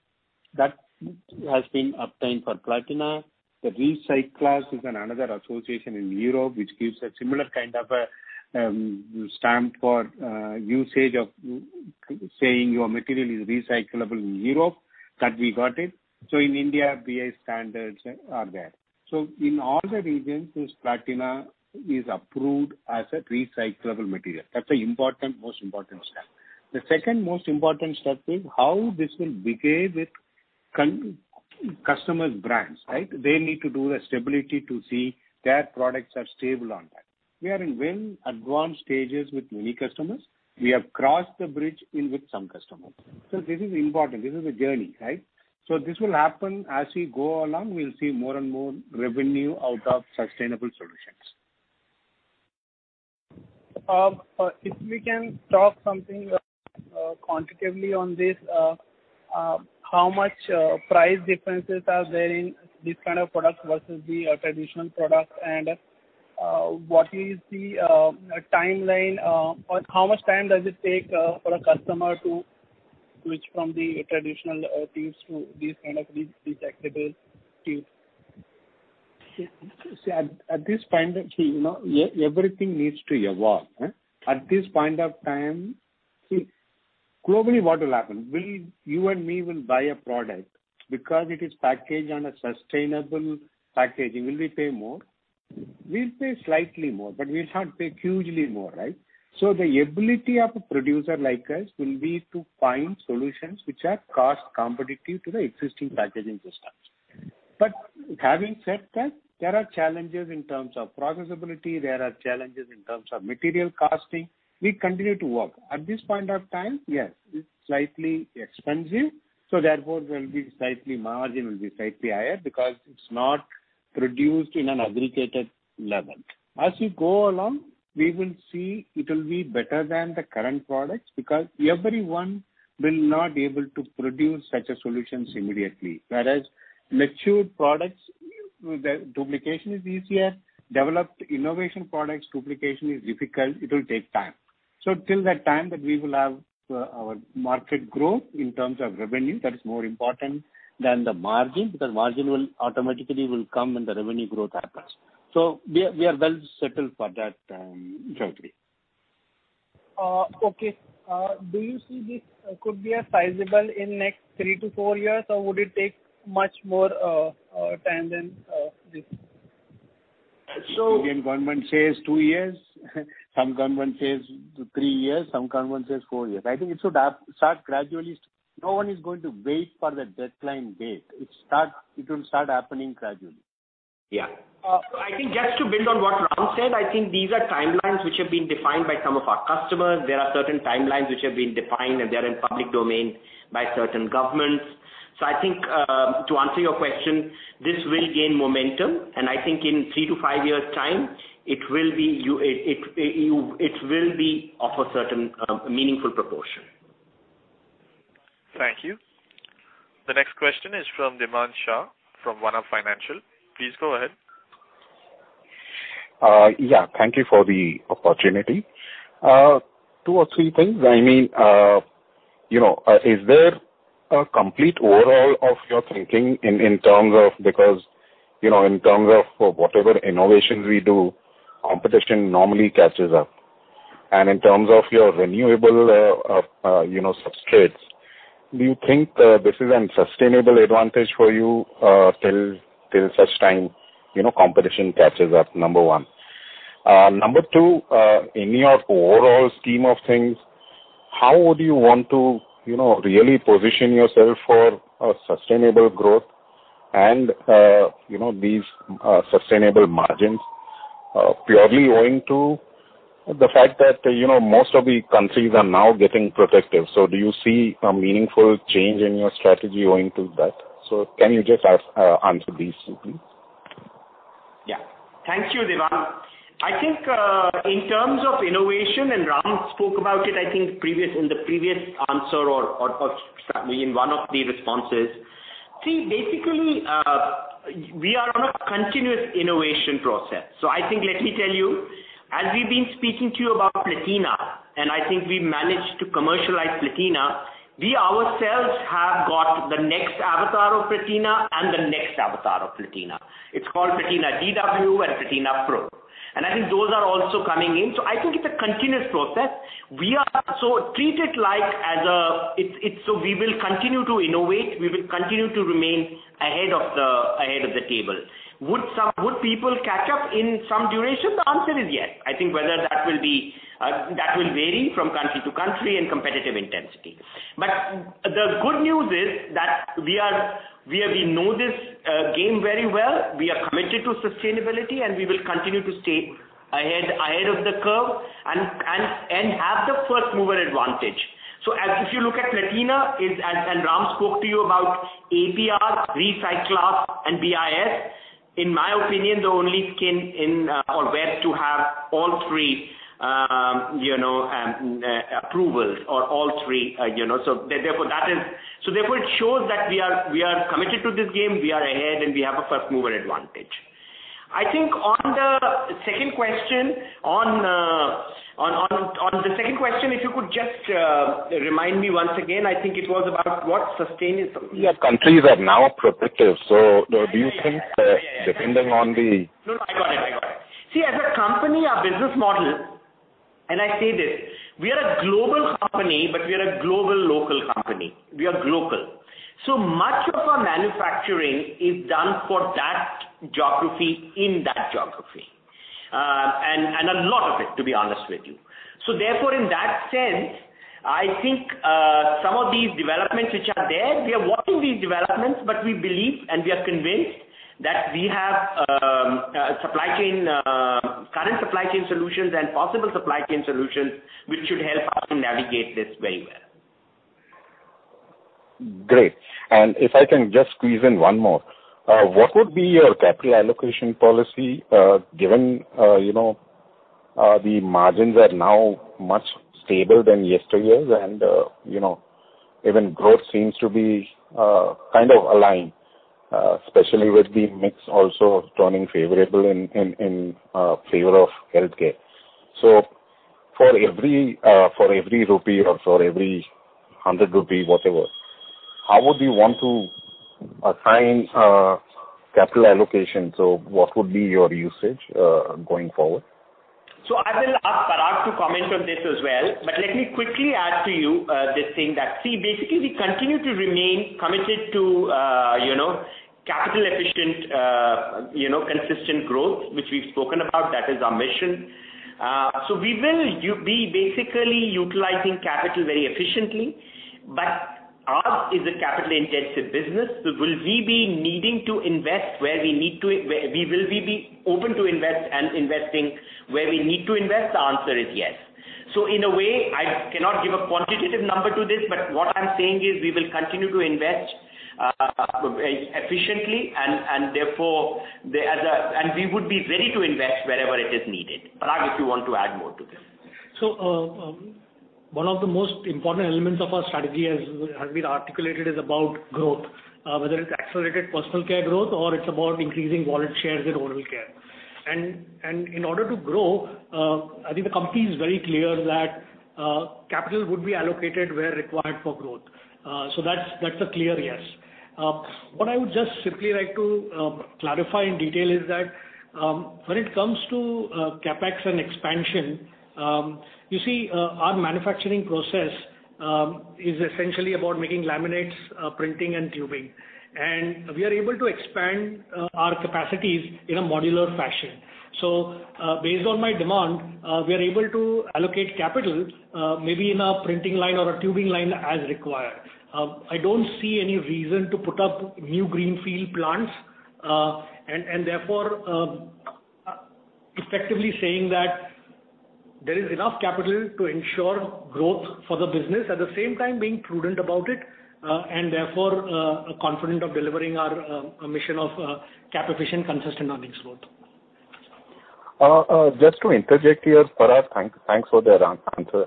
That has been obtained for Platina. The Recyclass is another association in Europe, which gives a similar kind of a stamp for usage of saying your material is recyclable in Europe. That we got it. In India, BIS standards are there. In all the regions, this Platina is approved as a recyclable material. That's a most important step. The second most important step is how this will behave with customers' brands. They need to do the stability to see their products are stable on that. We are in well advanced stages with many customers. We have crossed the bridge in with some customers. This is important. This is a journey. This will happen as we go along, we'll see more and more revenue out of sustainable solutions. If we can talk something quantitatively on this, how much price differences are there in this kind of product versus the traditional product, and what is the timeline or how much time does it take for a customer to switch from the traditional things to these kind of recyclable things? At this point, everything needs to evolve. At this point of time, globally what will happen, you and me will buy a product because it is packaged on a sustainable packaging. Will we pay more? We'll pay slightly more, we'll not pay hugely more. The ability of a producer like us will be to find solutions which are cost competitive to the existing packaging systems. Having said that, there are challenges in terms of processability, there are challenges in terms of material costing. We continue to work. At this point of time, yes, it's slightly expensive, therefore margin will be slightly higher because it's not produced in an aggregated level. As we go along, we will see it'll be better than the current products because everyone will not able to produce such a solutions immediately. Mature products, their duplication is easier. Developed innovation products, duplication is difficult. It will take time. Till that time that we will have our market growth in terms of revenue, that is more important than the margin, because margin will automatically come when the revenue growth happens. We are well settled for that journey. Okay. Do you see this could be a sizable in next three to four years, or would it take much more time than this? Indian government says two years, some government says three years, some government says four years. I think it should start gradually. No one is going to wait for the deadline date. It will start happening gradually. I think just to build on what Ram said, I think these are timelines which have been defined by some of our customers. There are certain timelines which have been defined, and they're in public domain by certain governments. I think, to answer your question, this will gain momentum, and I think in three to five years' time, it will be of a certain meaningful proportion. Thank you. The next question is from Dhimaan Shah from Vana Financial. Please go ahead. Thank you for the opportunity. Two or three things. Is there a complete overhaul of your thinking in terms of whatever innovations we do, competition normally catches up? In terms of your renewable substrates, do you think this is an sustainable advantage for you till such time competition catches up? Number one. Number two, in your overall scheme of things, how would you want to really position yourself for a sustainable growth and these sustainable margins purely owing to the fact that most of the countries are now getting protective. Do you see a meaningful change in your strategy owing to that? Can you just answer these two, please? Thank you, Dhimaan. In terms of innovation, and Ram spoke about it in the previous answer or in one of the responses. Basically, we are on a continuous innovation process. Let me tell you, as we've been speaking to you about Platina, and we managed to commercialize Platina. We ourselves have got the next avatar of Platina and the next avatar of Platina. It's called Platina DW and Platina Pro. Those are also coming in. It's a continuous process. We will continue to innovate. We will continue to remain ahead of the table. Would people catch up in some duration? The answer is yes. That will vary from country to country and competitive intensity. The good news is that we know this game very well. We are committed to sustainability, and we will continue to stay ahead of the curve and have the first-mover advantage. If you look at Platina, and Ram spoke to you about APR, RecyClass, and BIS. In my opinion, the only skin in or where to have all three approvals. Therefore, it shows that we are committed to this game, we are ahead, and we have a first-mover advantage. I think on the second question, if you could just remind me once again, I think it was about what. Yeah. Countries are now protective. Do you think. Yeah depending on No, I got it. See, as a company, our business model, and I say this, we are a global company, but we are a global local company. We are global. Much of our manufacturing is done for that geography in that geography. And a lot of it, to be honest with you. Therefore, in that sense, I think some of these developments which are there, we are watching these developments, but we believe and we are convinced that we have current supply chain solutions and possible supply chain solutions, which should help us to navigate this very well. Great. If I can just squeeze in one more. What would be your capital allocation policy given the margins are now much stable than yesteryears and even growth seems to be kind of aligned, especially with the mix also turning favorable in favor of healthcare. For every rupee or for every 100 rupee, whatever, how would you want to assign capital allocation? What would be your usage going forward? I will ask Parag to comment on this as well. But let me quickly add to you this thing that, see, basically, we continue to remain committed to capital efficient, consistent growth, which we've spoken about. That is our mission. We will be basically utilizing capital very efficiently, but ours is a capital-intensive business. Will we be open to invest and investing where we need to invest? The answer is yes. In a way, I cannot give a quantitative number to this, but what I'm saying is we will continue to invest efficiently, and we would be ready to invest wherever it is needed. Parag, if you want to add more to this. One of the most important elements of our strategy has been articulated is about growth, whether it's accelerated personal care growth or it's about increasing wallet shares in oral care. In order to grow, I think the company is very clear that capital would be allocated where required for growth. That's a clear yes. What I would just simply like to clarify in detail is that, when it comes to CapEx and expansion, you see, our manufacturing process is essentially about making laminates, printing, and tubing. We are able to expand our capacities in a modular fashion. Based on my demand, we are able to allocate capital, maybe in a printing line or a tubing line as required. I don't see any reason to put up new greenfield plants, and therefore, effectively saying that there is enough capital to ensure growth for the business, at the same time being prudent about it, and therefore, confident of delivering our mission of cap efficient, consistent earnings growth. Just to interject here, Parag, thanks for that answer.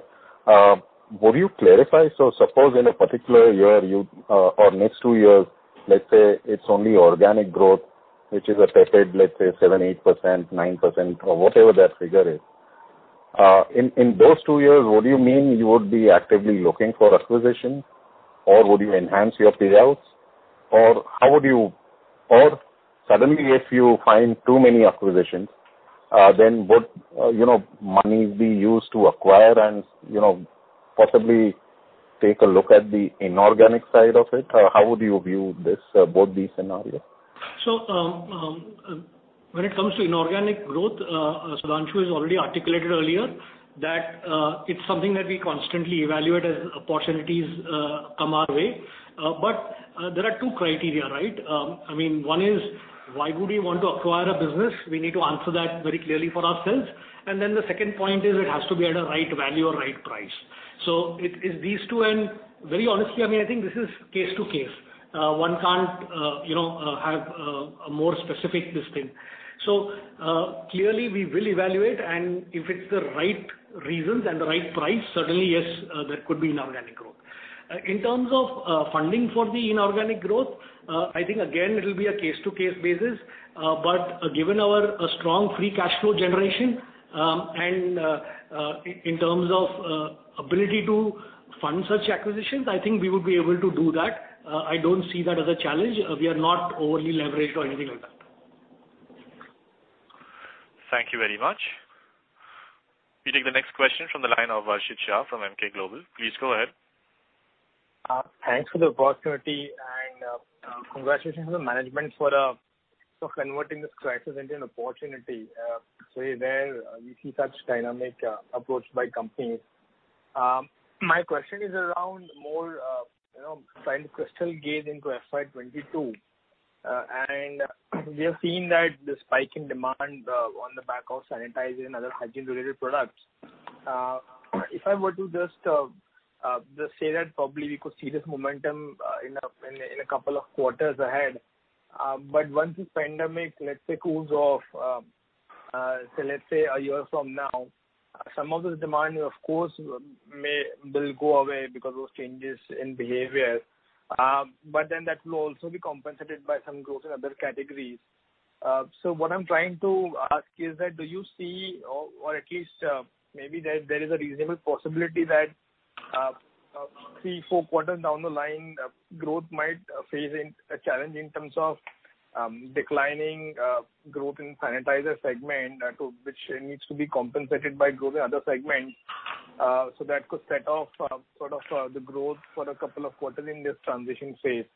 Would you clarify? Suppose in a particular year or next two years, let's say it is only organic growth, which is a tepid, let's say 7%, 8%, 9%, or whatever that figure is. In those two years, what do you mean you would be actively looking for acquisitions? Or would you enhance your pay-outs? Suddenly, if you find too many acquisitions, then would money be used to acquire and possibly take a look at the inorganic side of it? How would you view both these scenarios? When it comes to inorganic growth, Sudhanshu has already articulated earlier that it's something that we constantly evaluate as opportunities come our way. There are two criteria. One is why would we want to acquire a business? We need to answer that very clearly for ourselves. Then the second point is it has to be at a right value or right price. It is these two, and very honestly, I think this is case to case. One can't have a more specific listing. Clearly we will evaluate, and if it's the right reasons and the right price, certainly yes, there could be inorganic growth. In terms of funding for the inorganic growth, I think again, it'll be a case to case basis. Given our strong free cash flow generation, and in terms of ability to fund such acquisitions, I think we would be able to do that. I don't see that as a challenge. We are not overly leveraged or anything like that. Thank you very much. We take the next question from the line of Varshit Shah from Emkay Global. Please go ahead. Thanks for the opportunity and congratulations to the management for converting this crisis into an opportunity. It is very rare we see such dynamic approach by companies. My question is around more trying to crystal gaze into FY 2022. We have seen that the spike in demand on the back of sanitizer and other hygiene-related products. If I were to just say that probably we could see this momentum in a couple of quarters ahead. Once this pandemic, let us say, cools off, so let us say a year from now, some of this demand, of course, will go away because those changes in behavior. That will also be compensated by some growth in other categories. What I'm trying to ask is that, do you see or at least maybe there is a reasonable possibility that three, four quarters down the line, growth might face a challenge in terms of declining growth in sanitizer segment, to which it needs to be compensated by growth in other segments. That could set off sort of the growth for a couple of quarters in this transition phase.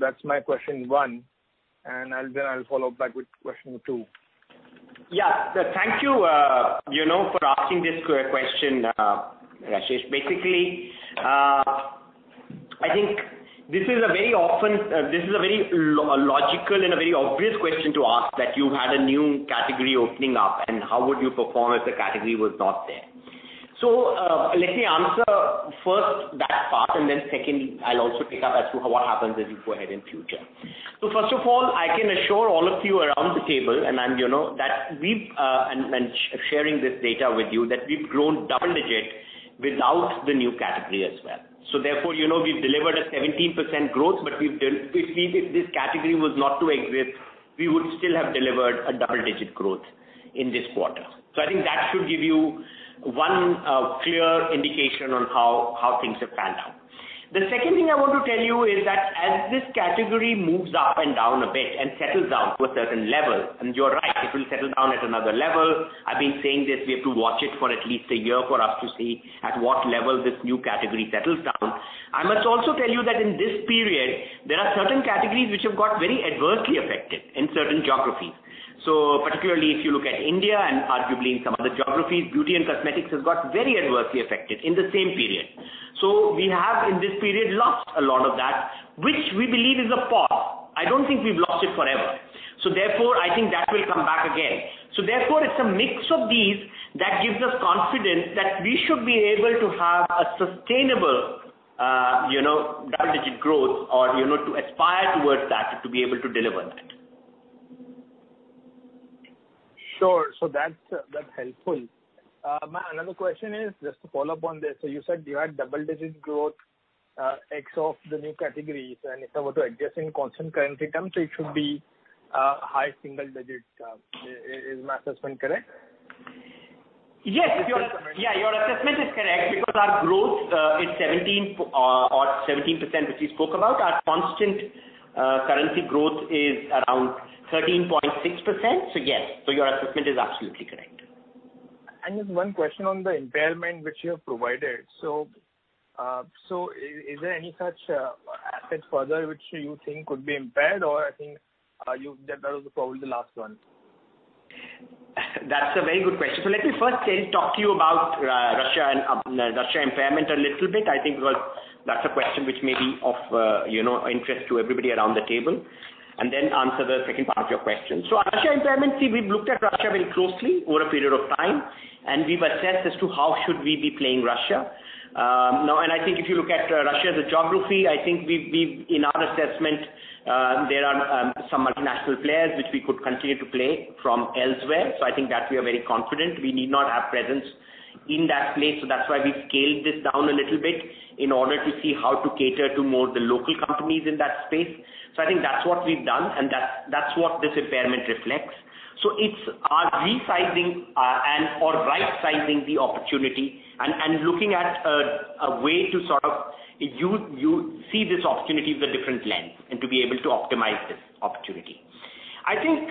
That's my question one, and then I'll follow back with question two. Yeah. Thank you for asking this question, Varshit. Basically, I think this is a very logical and a very obvious question to ask, that you had a new category opening up, and how would you perform if the category was not there? Let me answer first that part, and then secondly, I'll also pick up as to what happens as we go ahead in future. First of all, I can assure all of you around the table, and sharing this data with you, that we've grown double-digit without the new category as well. Therefore, we've delivered a 17% growth, but if this category was not to exist, we would still have delivered a double-digit growth in this quarter. I think that should give you one clear indication on how things have panned out. The second thing I want to tell you is that as this category moves up and down a bit and settles down to a certain level, you're right, it will settle down at another level. I've been saying this, we have to watch it for at least a year for us to see at what level this new category settles down. I must also tell you that in this period, there are certain categories which have got very adversely affected in certain geographies. Particularly if you look at India and arguably in some other geographies, beauty and cosmetics has got very adversely affected in the same period. We have, in this period, lost a lot of that, which we believe is a pause. I don't think we've lost it forever. Therefore, I think that will come back again. Therefore, it's a mix of these that gives us confidence that we should be able to have a sustainable double-digit growth or to aspire towards that, to be able to deliver that. Sure. That's helpful. My another question is, just to follow up on this. You said you had double-digit growth ex of the new categories, and if I were to adjust in constant currency terms, it should be high single digits. Is my assessment correct? Yes. Yeah, your assessment is correct because our growth is 17%, which we spoke about. Our constant currency growth is around 13.6%. Yes. Your assessment is absolutely correct. Just one question on the impairment which you have provided. Is there any such assets further which you think could be impaired, or that was probably the last one? That's a very good question. Let me first talk to you about Russia impairment a little bit. I think because that's a question which may be of interest to everybody around the table, and then answer the second part of your question. Russia impairment, see, we've looked at Russia very closely over a period of time, and we've assessed as to how should we be playing Russia. I think if you look at Russia as a geography, I think in our assessment, there are some multinational players which we could continue to play from elsewhere. I think that we are very confident. We need not have presence in that place. That's why we've scaled this down a little bit in order to see how to cater to more the local companies in that space. I think that's what we've done, and that's what this impairment reflects. It's our resizing or rightsizing the opportunity and looking at a way to sort of see this opportunity with a different lens and to be able to optimize this opportunity. I think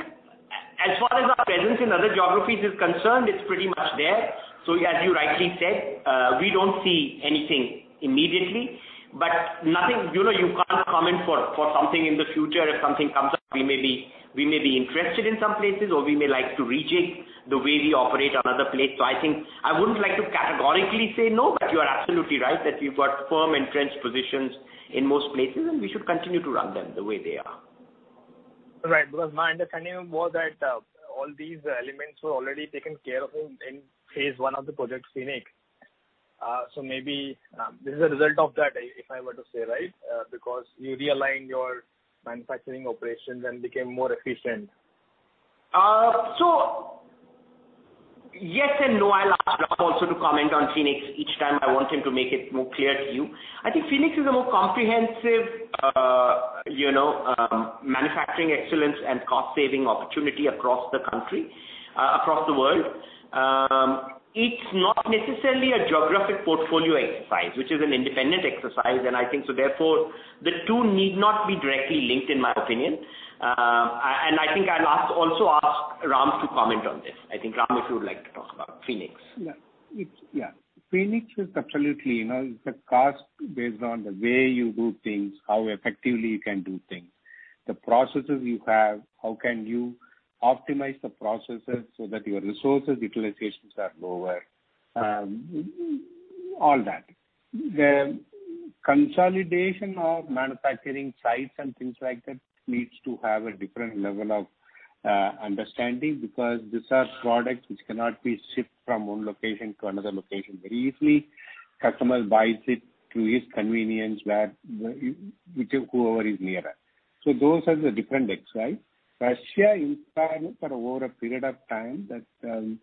as far as our presence in other geographies is concerned, it's pretty much there. As you rightly said, we don't see anything immediately, but you can't comment for something in the future. If something comes up, we may be interested in some places, or we may like to rejig the way we operate on other places. I think I wouldn't like to categorically say no, but you are absolutely right that we've got firm entrenched positions in most places, and we should continue to run them the way they are. Right. My understanding was that all these elements were already taken care of in Phase One of Project Phoenix. Maybe this is a result of that, if I were to say, right? You realigned your manufacturing operations and became more efficient. Yes and no. I'll ask Ram also to comment on Phoenix each time. I want him to make it more clear to you. I think Phoenix is a more comprehensive manufacturing excellence and cost-saving opportunity across the world. It's not necessarily a geographic portfolio exercise, which is an independent exercise. I think, therefore, the two need not be directly linked, in my opinion. I think I'll also ask Ram to comment on this. I think, Ram, if you would like to talk about Phoenix. Yeah. Phoenix is absolutely, it's a cost based on the way you do things, how effectively you can do things, the processes you have, how can you optimize the processes so that your resources utilizations are lower, all that. The consolidation of manufacturing sites and things like that needs to have a different level of understanding because these are products which cannot be shipped from one location to another location very easily. Customer buys it to his convenience, whoever is nearer. Those are the different exercises. Russia impairment for over a period of time, that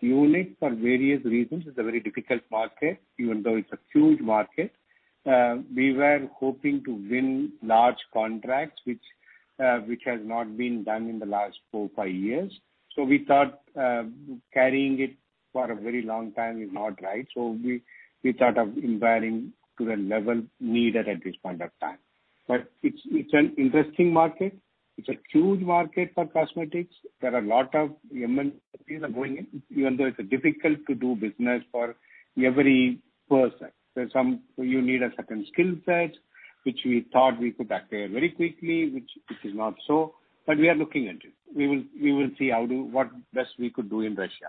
unit for various reasons is a very difficult market, even though it's a huge market. We were hoping to win large contracts, which has not been done in the last four, five years. We thought carrying it for a very long time is not right. We thought of impairing to the level needed at this point of time. It's an interesting market. It's a huge market for cosmetics. There are a lot of MNCs are going in, even though it's difficult to do business for every person. You need a certain skill set, which we thought we could acquire very quickly, which is not so, but we are looking at it. We will see what best we could do in Russia.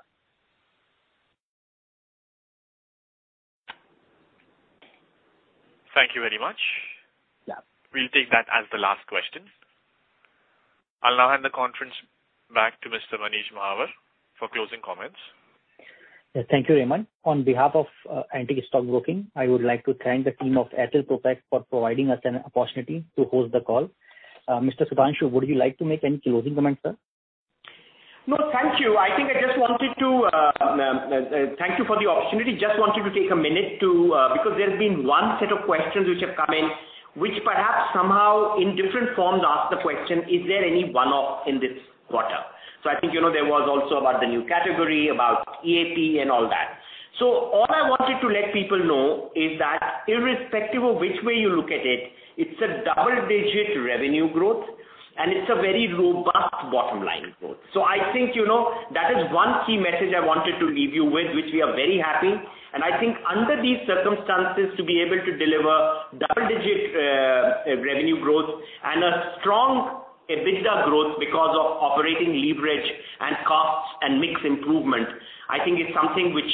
Thank you very much. Yeah. We'll take that as the last question. I'll now hand the conference back to Mr. Manish Mahawar for closing comments. Yes, thank you, Raymond. On behalf of Antique Stock Broking, I would like to thank the team of EPL Limited for providing us an opportunity to host the call. Mr. Sudhanshu, would you like to make any closing comments, sir? No, thank you. Thank you for the opportunity. Just wanted to take a minute to, because there's been one set of questions which have come in, which perhaps somehow in different forms ask the question, is there any one-off in this quarter? I think there was also about the new category, about EAP and all that. All I wanted to let people know is that irrespective of which way you look at it's a double-digit revenue growth, and it's a very robust bottom line growth. I think that is one key message I wanted to leave you with, which we are very happy, and I think under these circumstances, to be able to deliver double-digit revenue growth and a strong EBITDA growth because of operating leverage and costs and mix improvement, I think is something which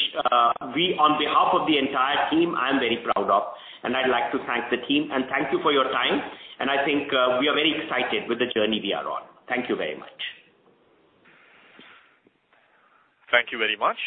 we, on behalf of the entire team, I am very proud of, and I'd like to thank the team. Thank you for your time, and I think we are very excited with the journey we are on. Thank you very much. Thank you very much.